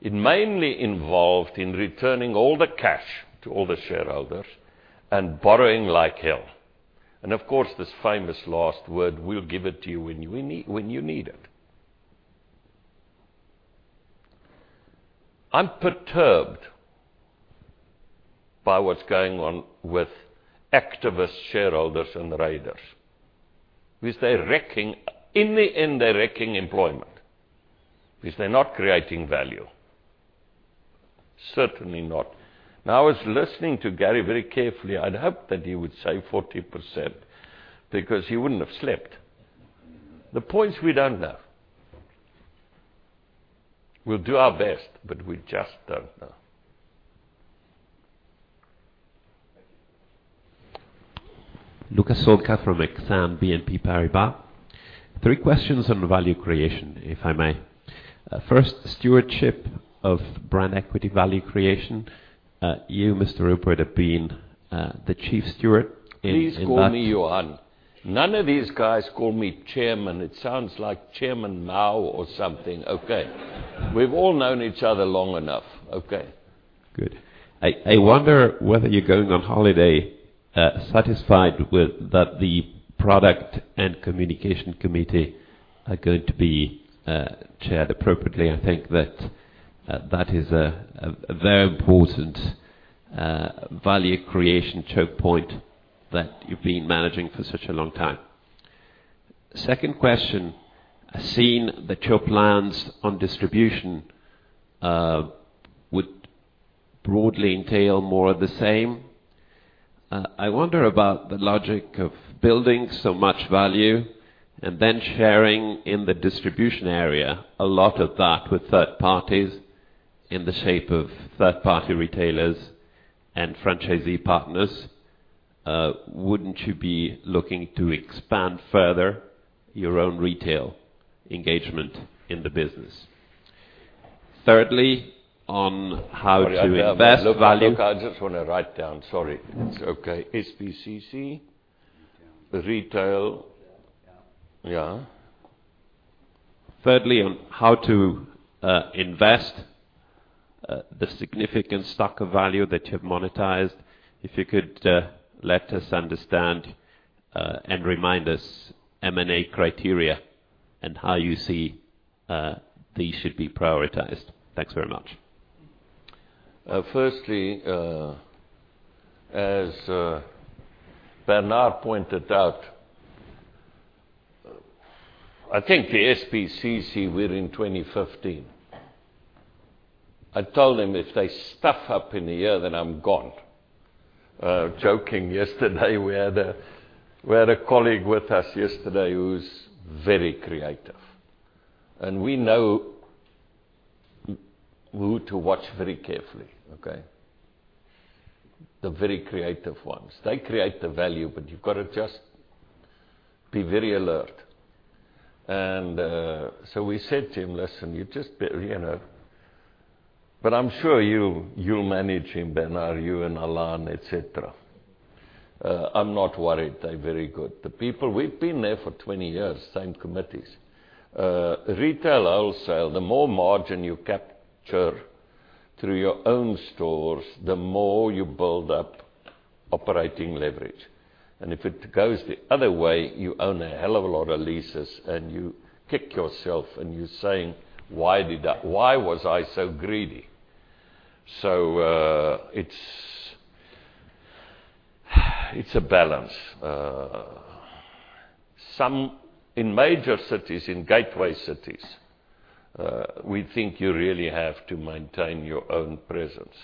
It mainly involved in returning all the cash to all the shareholders and borrowing like hell. Of course, this famous last word, we'll give it to you when you need it. I'm perturbed by what's going on with activist shareholders and raiders. In the end, they're wrecking employment because they're not creating value. Certainly not. Now, I was listening to Gary very carefully. I'd hoped that he would say 40% because he wouldn't have slept. The point is we don't know. We'll do our best, but we just don't know. Thank you. Luca Solca from Exane BNP Paribas. Three questions on value creation, if I may. First, stewardship of brand equity value creation. You, Mr. Rupert, have been the chief steward in that- Please call me Johann. None of these guys call me chairman. It sounds like Chairman Mao or something. Okay. We've all known each other long enough. Okay. Good. I wonder whether you're going on holiday satisfied with that the product and communication committee are going to be chaired appropriately. I think that is a very important value creation choke point that you've been managing for such a long time. Second question, seeing that your plans on distribution would broadly entail more of the same, I wonder about the logic of building so much value and then sharing in the distribution area, a lot of that with third parties in the shape of third-party retailers and franchisee partners. Wouldn't you be looking to expand further your own retail engagement in the business? Thirdly, on how to invest value- Sorry. Look, I just want to write down. Sorry. It's okay. SBCC. Retail. Retail. Yeah. Yeah. Thirdly, on how to invest the significant stock of value that you have monetized, if you could let us understand, and remind us M&A criteria and how you see these should be prioritized. Thanks very much. Firstly, as Bernard pointed out, I think the SBCC, we're in 2015. I told them if they stuff up in a year, then I'm gone. Joking yesterday. We had a colleague with us yesterday who's very creative. We know who to watch very carefully, okay? The very creative ones. They create the value, but you've got to just be very alert. We said to him, "Listen, you just" I'm sure you'll manage him, Bernard, you and Alain, et cetera. I'm not worried. They're very good. The people, we've been there for 20 years, same committees. Retail, wholesale, the more margin you capture through your own stores, the more you build up operating leverage. If it goes the other way, you own a hell of a lot of leases and you kick yourself and you're saying, "Why was I so greedy?" It's a balance. In major cities, in gateway cities, we think you really have to maintain your own presence.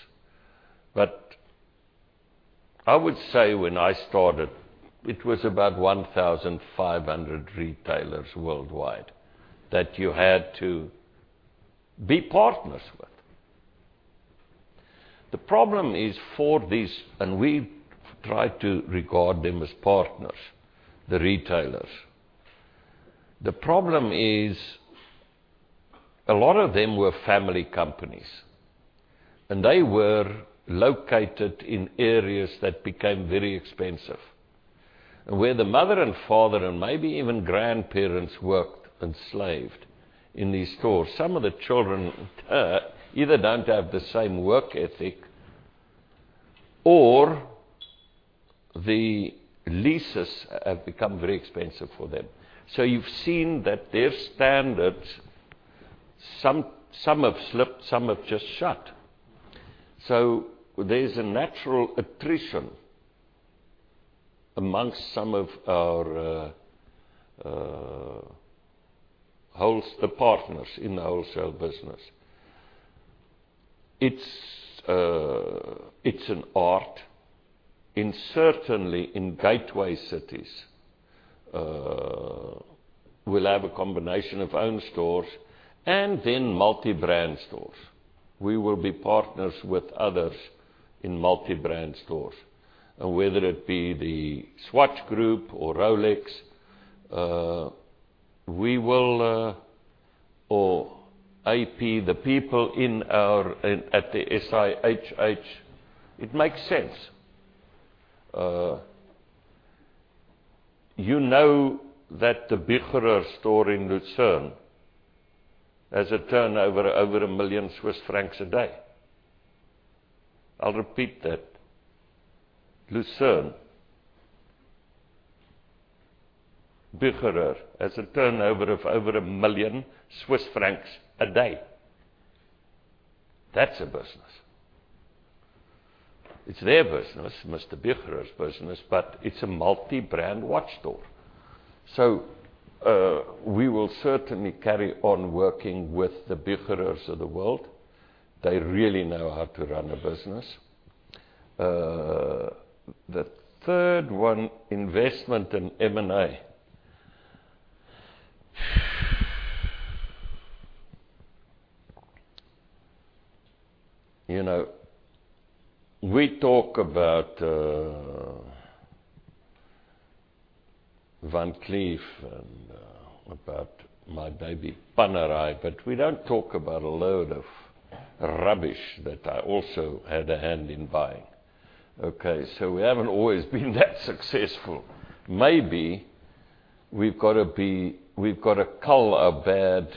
I would say when I started, it was about 1,500 retailers worldwide that you had to be partners with. The problem is for these, and we try to regard them as partners, the retailers. The problem is a lot of them were family companies. They were located in areas that became very expensive. Where the mother and father, and maybe even grandparents worked and slaved in these stores. Some of the children either don't have the same work ethic or the leases have become very expensive for them. You've seen that their standards, some have slipped, some have just shut. There is a natural attrition amongst some of our partners in the wholesale business. It's an art. Certainly, in gateway cities, we'll have a combination of own stores and then multi-brand stores. We will be partners with others in multi-brand stores. Whether it be the Swatch Group or Rolex, or AP, the people at the SIHH, it makes sense. You know that the Bucherer store in Lucerne has a turnover over 1 million Swiss francs a day. I'll repeat that. Lucerne. Bucherer has a turnover of over 1 million Swiss francs a day. That's a business. It's their business, Mr. Bucherer's business, but it's a multi-brand watch store. We will certainly carry on working with the Bucherers of the world. They really know how to run a business. The third one, investment in M&A. We talk about Van Cleef and about my baby, Panerai, we don't talk about a load of rubbish that I also had a hand in buying. Okay, we haven't always been that successful. Maybe we've got to cull our bad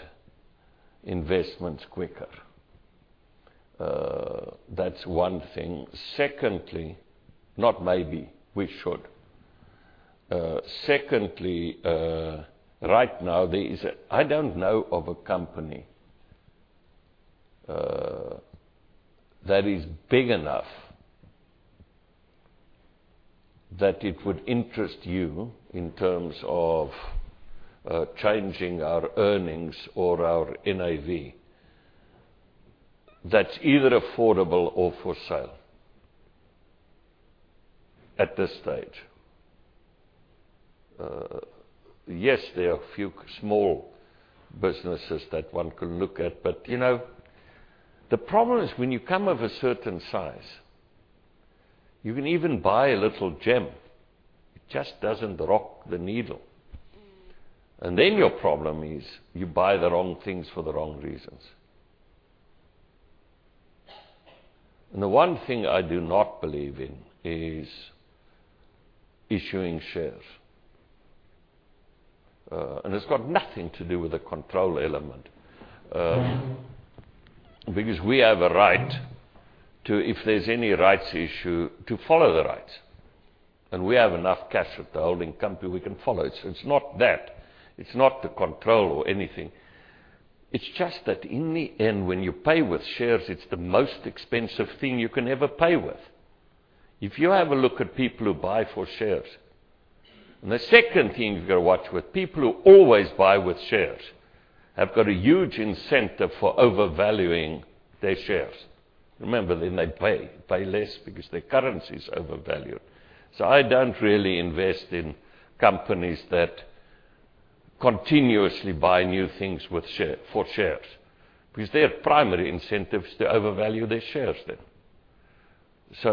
investments quicker. That's one thing. Secondly, right now, I don't know of a company that is big enough that it would interest you in terms of changing our earnings or our NAV, that's either affordable or for sale at this stage. Yes, there are a few small businesses that one can look at, the problem is when you come of a certain size, you can even buy a little gem, it just doesn't rock the needle. Your problem is you buy the wrong things for the wrong reasons. The one thing I do not believe in is issuing shares. It's got nothing to do with the control element. We have a right to, if there's any rights issue, to follow the rights. We have enough cash at the holding company, we can follow it. It's not that. It's not the control or anything. It's just that in the end, when you pay with shares, it's the most expensive thing you can ever pay with. If you have a look at people who buy for shares. The second thing you've got to watch with people who always buy with shares, have got a huge incentive for overvaluing their shares. Remember, then they pay less because their currency is overvalued. I don't really invest in companies that continuously buy new things for shares, because their primary incentive is to overvalue their shares then.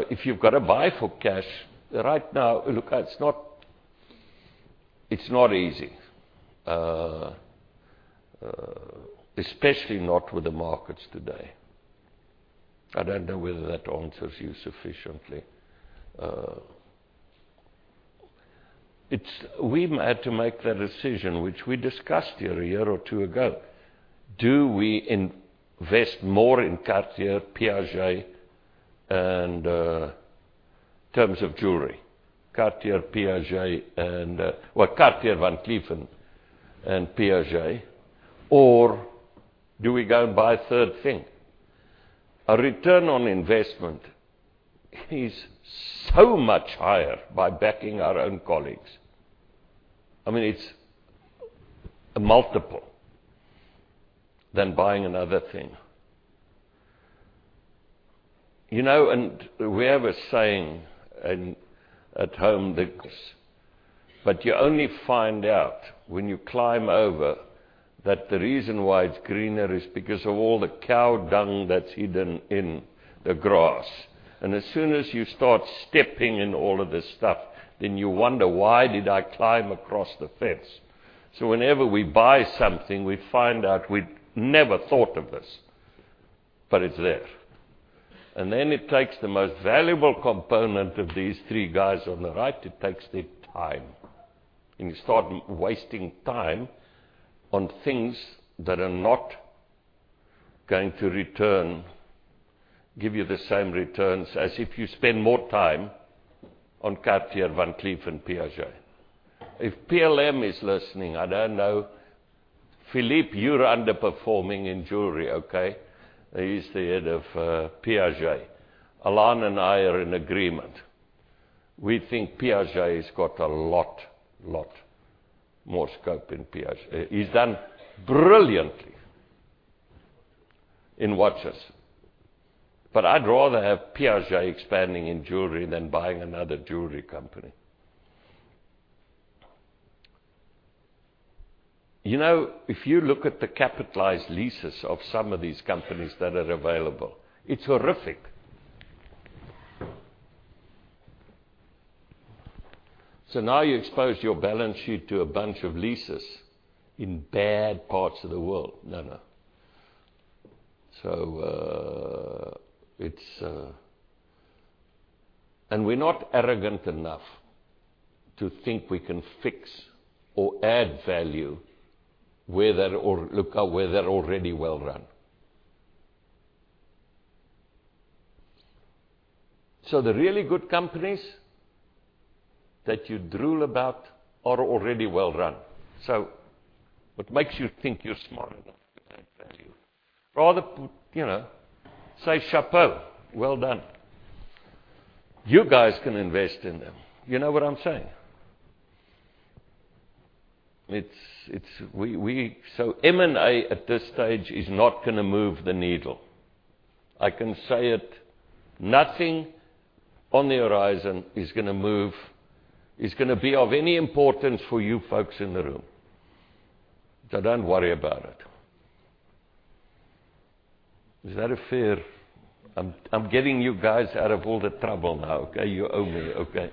If you've got to buy for cash, right now, look, it's not easy. Especially not with the markets today. I don't know whether that answers you sufficiently. We had to make that decision, which we discussed here a year or two ago. Do we invest more in Cartier, Piaget, and, terms of jewelry, Cartier, Piaget, and, well, Cartier, Van Cleef & Arpels and Piaget, or do we go and buy a third thing? A return on investment is so much higher by backing our own colleagues. I mean, it's a multiple than buying another thing. We have a saying at home that you only find out when you climb over that the reason why it's greener is because of all the cow dung that's hidden in the grass. As soon as you start stepping in all of this stuff, then you wonder, "Why did I climb across the fence?" Whenever we buy something, we find out we never thought of this, but it's there. It takes the most valuable component of these three guys on the right, it takes their time. You start wasting time on things that are not going to return, give you the same returns as if you spend more time on Cartier, Van Cleef and Piaget. If PLM is listening, I don't know. Philippe, you're underperforming in jewelry, okay? He's the head of Piaget. Alain and I are in agreement. We think Piaget has got a lot more scope than Piaget. He's done brilliantly in watches. I'd rather have Piaget expanding in jewelry than buying another jewelry company. If you look at the capitalized leases of some of these companies that are available, it's horrific. Now you expose your balance sheet to a bunch of leases in bad parts of the world. No. We're not arrogant enough to think we can fix or add value where they're already well-run. The really good companies that you drool about are already well-run. What makes you think you're smart enough to add value? Rather put, say, "Chapeau. Well done." You guys can invest in them. You know what I'm saying? M&A, at this stage, is not going to move the needle. I can say it, nothing on the horizon is going to be of any importance for you folks in the room. Don't worry about it. Is that fair? I'm getting you guys out of all the trouble now, okay? You owe me, okay?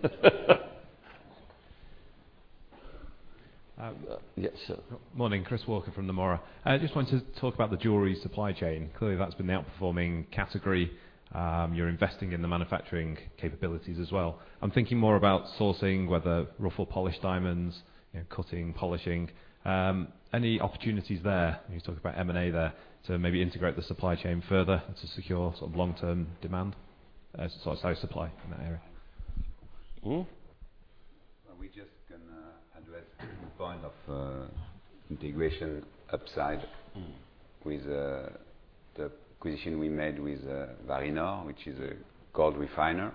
I appreciate it. Yes, sir. Morning. Chris Walker from Nomura. I just wanted to talk about the jewelry supply chain. Clearly, that's been the outperforming category. You're investing in the manufacturing capabilities as well. I'm thinking more about sourcing, whether rough or polished diamonds, cutting, polishing. Any opportunities there? You talked about M&A there to maybe integrate the supply chain further to secure long-term demand, sorry, supply in that area. We just can address the point of integration upside- -with the acquisition we made with Varinor, which is a gold refiner.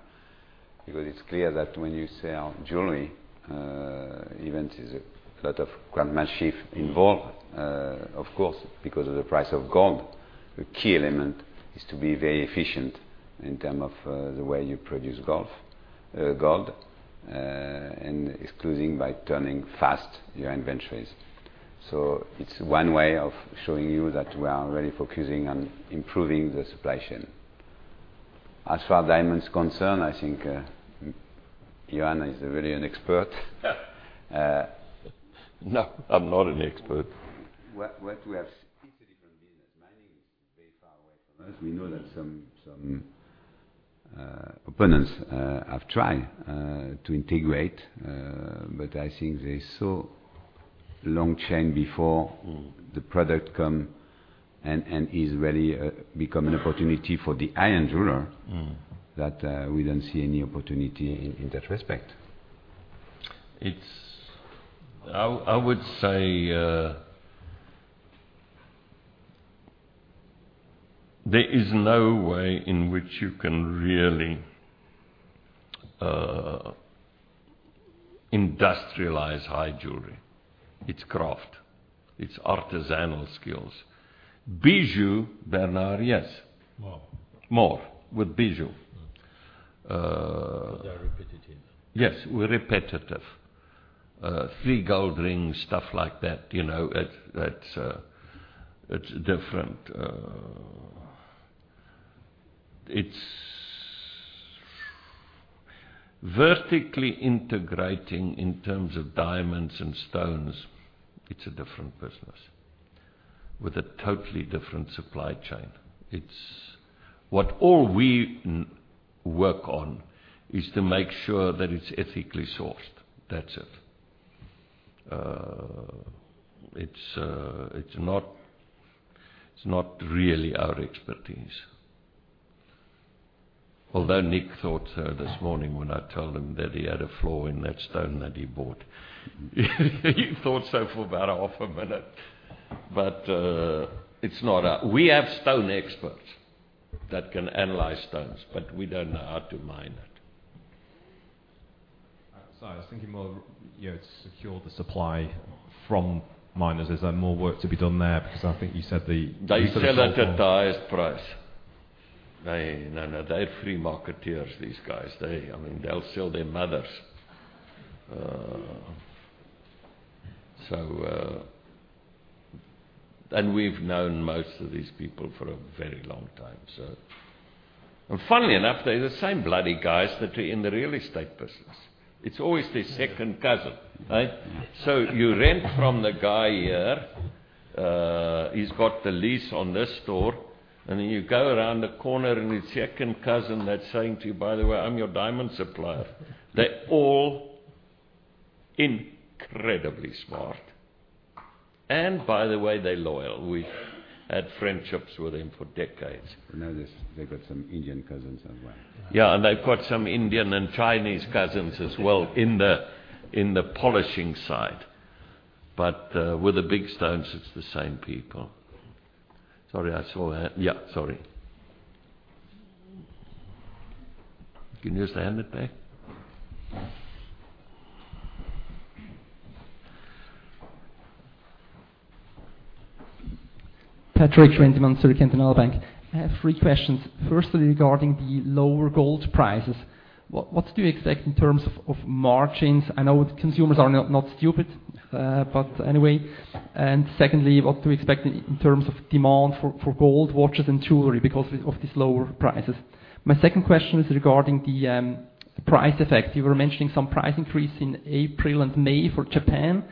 Because it's clear that when you sell jewelry, event is a lot of [grand man shift] involved, of course, because of the price of gold. The key element is to be very efficient in terms of the way you produce gold, and including by turning fast your inventories. It's one way of showing you that we are really focusing on improving the supply chain. As far as diamond's concerned, I think Johann is really an expert. No, I'm not an expert. It's a different business. Mining is very far away from us. We know that some opponents have tried to integrate, but I think there's so long chain before the product come and is really become an opportunity for the high-end jeweler that we don't see any opportunity in that respect. I would say, there is no way in which you can really industrialize high jewelry. It's craft. It's artisanal skills. Bijou, Bernard, yes. More. More, with Bijou. They are repetitive. Yes, with repetitive. Three gold rings, stuff like that. It's different. It's vertically integrating in terms of diamonds and stones. It's a different business with a totally different supply chain. What all we work on is to make sure that it's ethically sourced. That's it. It's not really our expertise. Although Nick thought so this morning when I told him that he had a flaw in that stone that he bought. He thought so for about a half a minute. We have stone experts that can analyze stones, but we don't know how to mine it. Sorry. I was thinking more, secure the supply from miners. Is there more work to be done there? They sell it at the highest price. No. They're free marketeers, these guys. They'll sell their mothers. We've known most of these people for a very long time. Funny enough, they're the same bloody guys that are in the real estate business. It's always their second cousin, right? You rent from the guy here. He's got the lease on this store. You go around the corner and his second cousin that's saying to you, "By the way, I'm your diamond supplier." They're all incredibly smart. By the way, they're loyal. We've had friendships with them for decades. Now they got some Indian cousins as well. Yeah, they've got some Indian and Chinese cousins as well in the polishing side. With the big stones, it's the same people. Sorry, I saw a hand. Sorry. Can you just hand it back? Patrik Schwendimann, Zürcher Kantonalbank. I have three questions. Firstly, regarding the lower gold prices. What do you expect in terms of margins? I know consumers are not stupid. Anyway. Secondly, what to expect in terms of demand for gold watches and jewelry because of these lower prices. My second question is regarding the price effect. You were mentioning some price increase in April and May for Japan.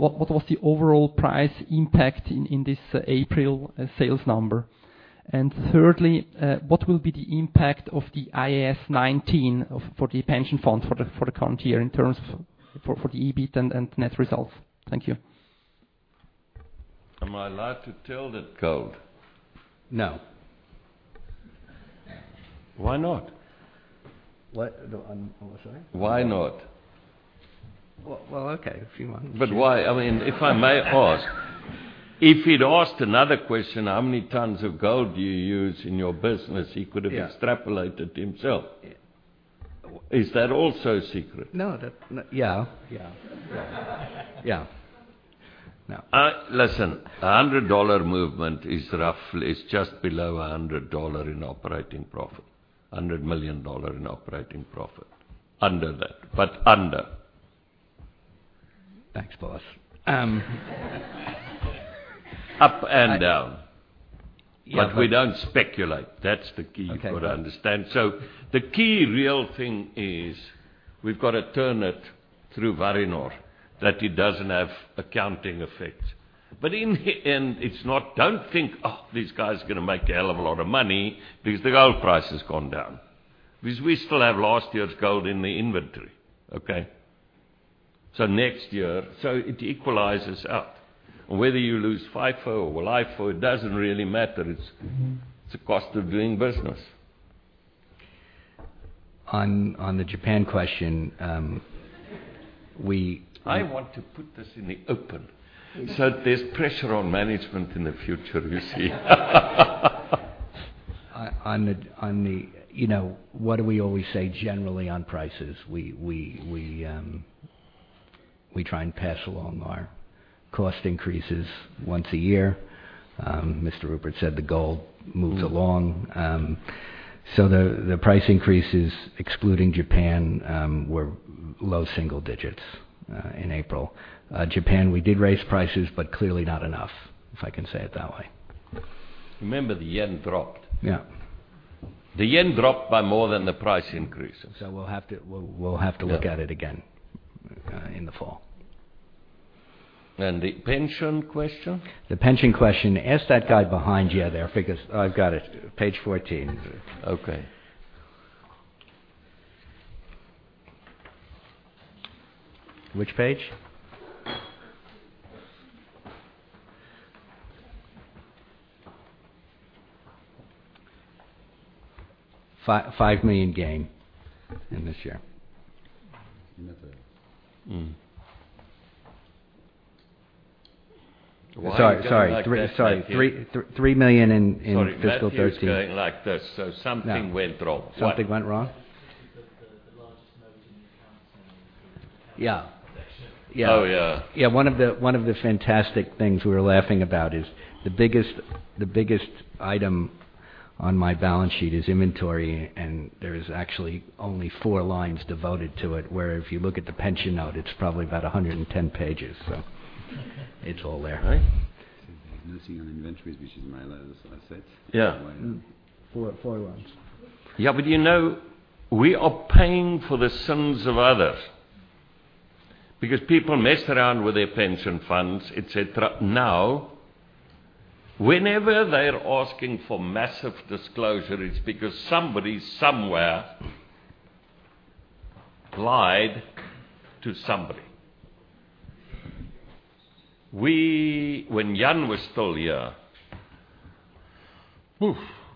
What was the overall price impact in this April sales number? Thirdly, what will be the impact of the IAS 19 for the pension fund for the current year in terms for the EBIT and net results? Thank you. Am I allowed to tell that code? No. Why not? What? I'm sorry. Why not? Well, okay. If you want. Why? If I may ask. If he'd asked another question, how many tons of gold do you use in your business, he could have- Yeah extrapolated himself. Yeah. Is that also a secret? No, that. Yeah. Yeah. No. Listen, EUR 100 movement is roughly just below EUR 100 in operating profit. EUR 100 million in operating profit. Under that, but under. Thanks, boss. Up and down. Yeah. We don't speculate. That's the key. Okay you got to understand. The key real thing is we've got to turn it through Varinor, that it doesn't have accounting effects. In the end, don't think, "Oh, this guy's going to make a hell of a lot of money because the gold price has gone down." Because we still have last year's gold in the inventory. Okay? Next year, it equalizes out. Whether you lose FIFO or LIFO, it doesn't really matter. It's the cost of doing business. On the Japan question, we. I want to put this in the open so there's pressure on management in the future, you see. On the what do we always say generally on prices? We try and pass along our cost increases once a year. Mr. Rupert said the gold moves along. The price increases, excluding Japan, were low single digits, in April. Japan, we did raise prices, but clearly not enough, if I can say it that way. Remember, the yen dropped. Yeah. The yen dropped by more than the price increases. We'll have to look at it again. Yeah In the fall. The pension question? The pension question. Ask that guy behind you there, because I've got it. Page 14. Okay. Which page? 5 million gain in this year. Inventory. Why are you going like that? Sorry. EUR 3 million in fiscal 2013. Sorry, Matthew is going like this, so something went wrong. What? Something went wrong? Just because the largest note in the accounts Yeah. Section. Oh, yeah. One of the fantastic things we were laughing about is the biggest item on my balance sheet is inventory, and there is actually only four lines devoted to it. Where if you look at the pension note, it's probably about 110 pages. It's all there. There's nothing on inventories, which is my level of assets. Yeah. Four lines. We are paying for the sins of others because people messed around with their pension funds, et cetera. Whenever they're asking for massive disclosure, it's because somebody somewhere lied to somebody. When Jan du Plessis was still here,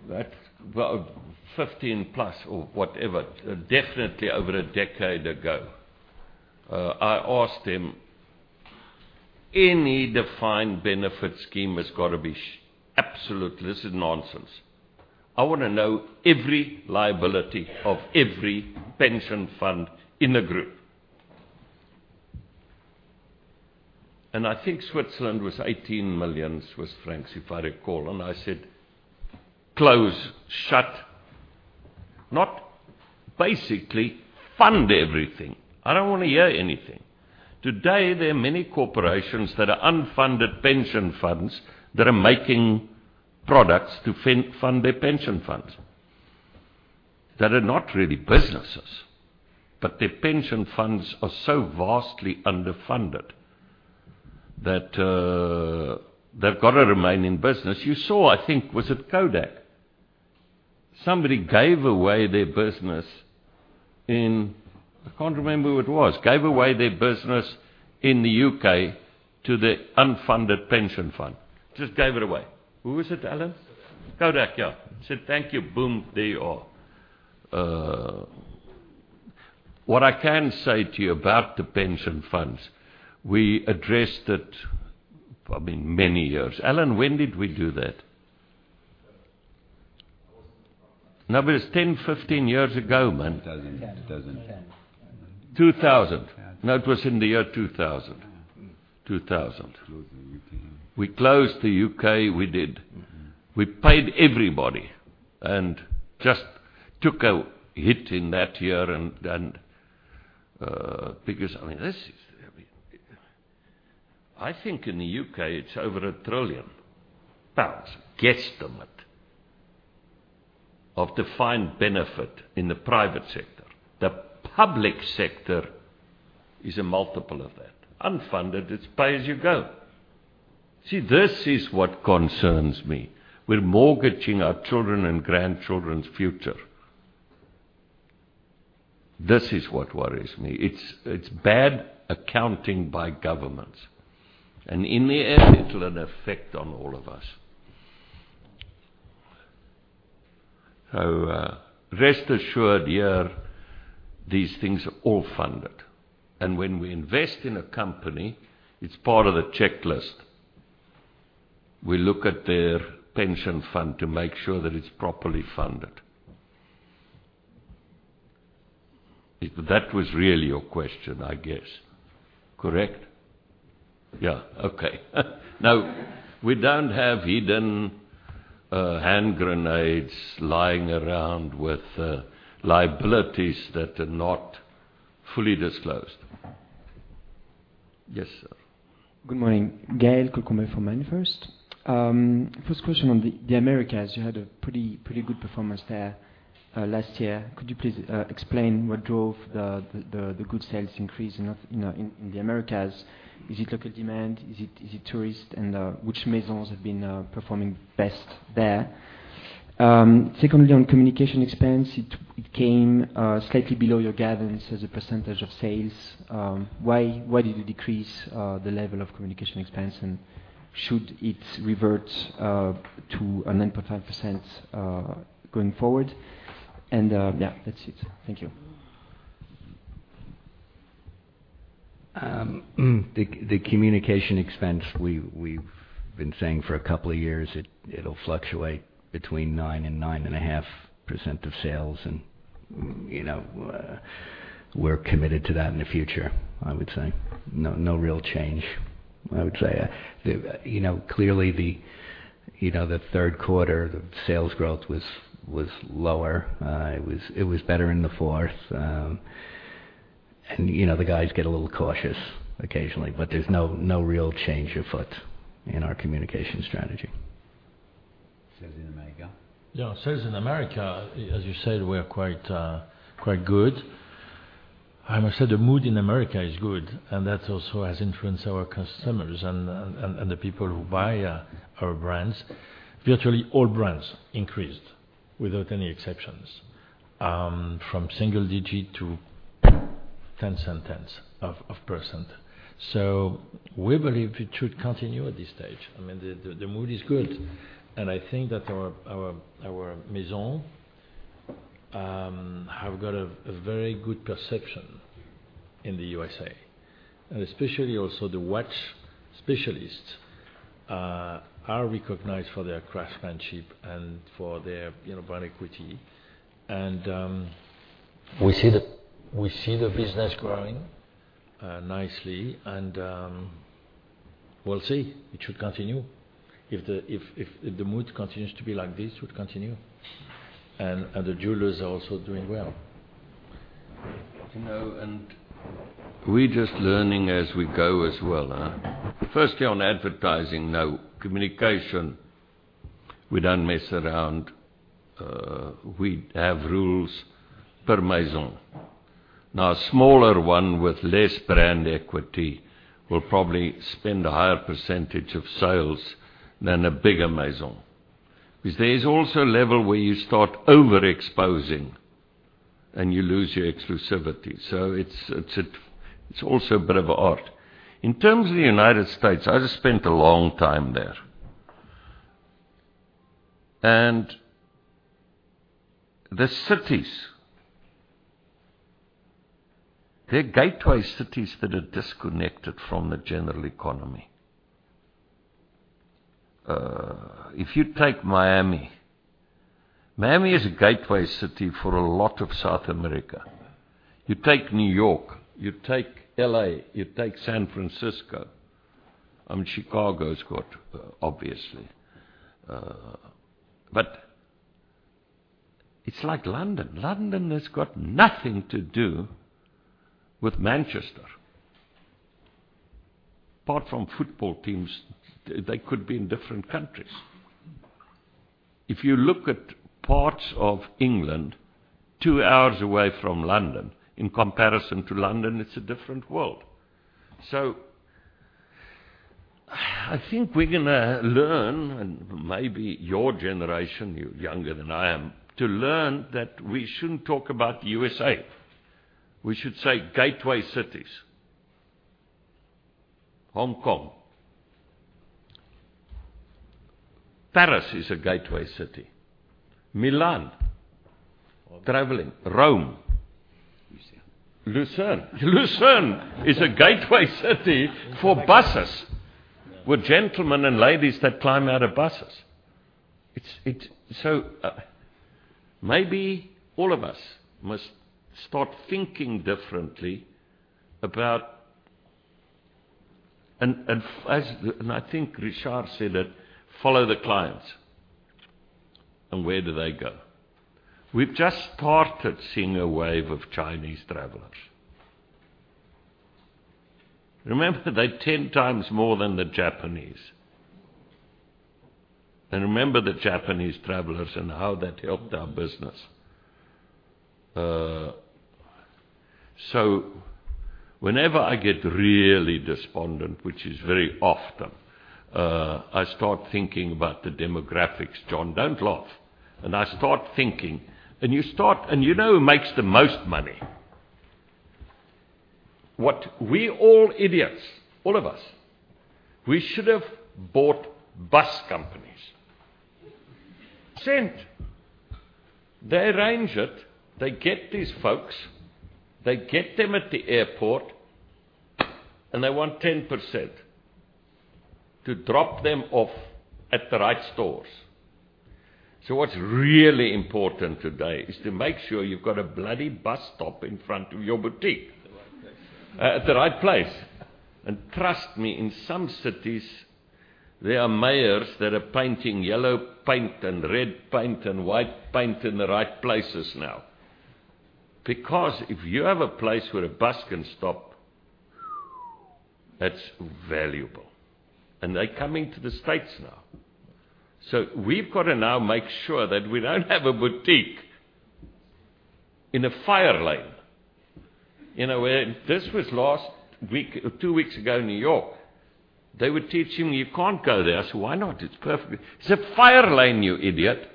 that's about 15+ or whatever, definitely over a decade ago. I asked him, "Any defined benefit scheme has got to be Absolutely, this is nonsense. I want to know every liability of every pension fund in the group." I think Switzerland was 18 million Swiss francs, if I recall, and I said, "Close. Shut." I don't want to hear anything. Today, there are many corporations that are unfunded pension funds that are making products to fund their pension funds, that are not really businesses. Their pension funds are so vastly underfunded that they've got to remain in business. You saw, I think, was it Kodak? Somebody gave away their business. I can't remember who it was. Gave away their business in the U.K. to the unfunded pension fund. Just gave it away. Who was it, Alan Grieve? Kodak, yeah. Said, "Thank you." Boom, there you are. What I can say to you about the pension funds, we addressed it, many years. Alan Grieve, when did we do that? It's 10-15 years ago, man. 2000. 2000. 2000. No, it was in the year 2000. Yeah. 2000. Closed the U.K. We closed the U.K. We did. We paid everybody, just took a hit in that year, then because, I mean, this is I think in the U.K., it's over 1 trillion pounds guesstimate of defined benefit in the private sector. The public sector is a multiple of that. Unfunded, it's pay as you go. See, this is what concerns me. We're mortgaging our children and grandchildren's future. This is what worries me. It's bad accounting by governments. In the end, it'll affect on all of us. Rest assured here, these things are all funded. When we invest in a company, it's part of the checklist. We look at their pension fund to make sure that it's properly funded. If that was really your question, I guess. Correct? Yeah. Okay. Now we don't have hidden hand grenades lying around with liabilities that are not fully disclosed. Yes, sir. Good morning. Gael Colcombet from Manifest. First question on the Americas, you had a pretty good performance there last year. Could you please explain what drove the good sales increase in the Americas? Is it local demand? Is it tourist? Which Maisons have been performing best there? Secondly, on communication expense, it came slightly below your guidance as a percentage of sales. Why did you decrease the level of communication expense, should it revert to a 9.5% going forward? Yeah, that's it. Thank you. The communication expense, we've been saying for a couple of years, it'll fluctuate between 9% and 9.5% of sales, and we're committed to that in the future, I would say. No real change, I would say. Clearly, the third quarter, the sales growth was lower. It was better in the fourth. The guys get a little cautious occasionally, but there's no real change afoot in our communication strategy. Sales in America? Yeah. Sales in America, as you said, were quite good. I must say the mood in America is good, and that also has influenced our customers and the people who buy our brands. Virtually all brands increased without any exceptions, from single digit to tens and tens of percent. We believe it should continue at this stage. I mean, the mood is good, and I think that our maison have got a very good perception in the USA, and especially also the watch specialists are recognized for their craftsmanship and for their brand equity. We see the business growing nicely, and we'll see. It should continue. If the mood continues to be like this, it would continue. The jewelers are also doing well. We're just learning as we go as well. Firstly, on advertising, no. Communication, we don't mess around. We have rules per maison. A smaller one with less brand equity will probably spend a higher percentage of sales than a bigger maison, because there is also a level where you start overexposing and you lose your exclusivity. It's also a bit of art. In terms of the United States, I just spent a long time there. The cities, they're gateway cities that are disconnected from the general economy. If you take Miami is a gateway city for a lot of South America. You take New York, you take L.A., you take San Francisco. I mean, Chicago's got, obviously. It's like London. London has got nothing to do with Manchester. Apart from football teams, they could be in different countries. If you look at parts of England two hours away from London, in comparison to London, it's a different world. I think we're going to learn, and maybe your generation, you're younger than I am, to learn that we shouldn't talk about U.S.A. We should say gateway cities. Hong Kong. Paris is a gateway city. Milan. Traveling. Rome. Lucerne. Lucerne. Lucerne is a gateway city for buses, with gentlemen and ladies that climb out of buses. Maybe all of us must start thinking differently about-- I think Richard said it, follow the clients and where do they go. We've just started seeing a wave of Chinese travelers. Remember, they're 10 times more than the Japanese. Remember the Japanese travelers and how that helped our business. Whenever I get really despondent, which is very often, I start thinking about the demographics. John, don't laugh. I start thinking. You know who makes the most money? What we're all idiots, all of us. We should have bought bus companies. Sent. They arrange it. They get these folks. They get them at the airport, and they want 10% to drop them off at the right stores. What's really important today is to make sure you've got a bloody bus stop in front of your boutique. At the right place. At the right place. Trust me, in some cities, there are mayors that are painting yellow paint and red paint and white paint in the right places now. If you have a place where a bus can stop, that's valuable. They're coming to the U.S. now. We've got to now make sure that we don't have a boutique in a fire lane. This was last week or two weeks ago in New York. They were teaching me, "You can't go there." I said, "Why not? It's perfectly" "It's a fire lane, you idiot."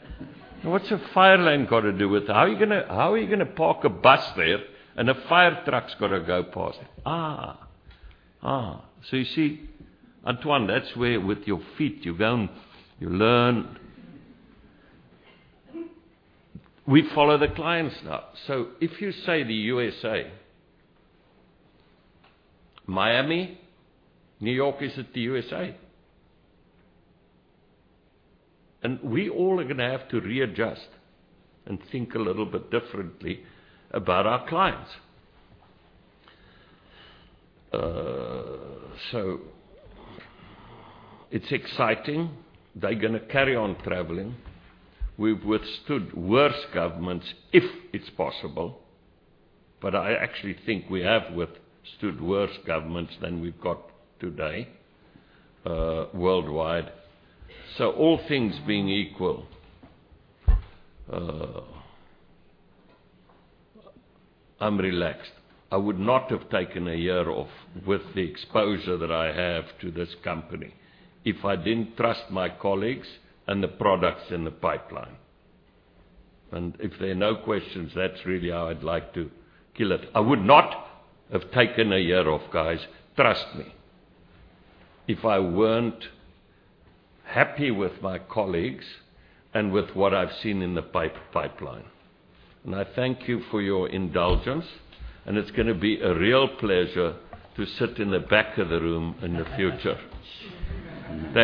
"What's a fire lane got to do with How are you going to park a bus there, and a fire truck's got to go past?" You see, Antoine, that's where with your feet you go and you learn. We follow the clients now. If you say the U.S.A., Miami, New York, is it the U.S.A.? We all are going to have to readjust and think a little bit differently about our clients. It's exciting. They're going to carry on traveling. We've withstood worse governments, if it's possible, but I actually think we have withstood worse governments than we've got today worldwide. All things being equal, I'm relaxed. I would not have taken a year off with the exposure that I have to this company if I didn't trust my colleagues and the products in the pipeline. If there are no questions, that's really how I'd like to kill it. I would not have taken a year off, guys, trust me, if I weren't happy with my colleagues and with what I've seen in the pipeline. I thank you for your indulgence, and it's going to be a real pleasure to sit in the back of the room in the future.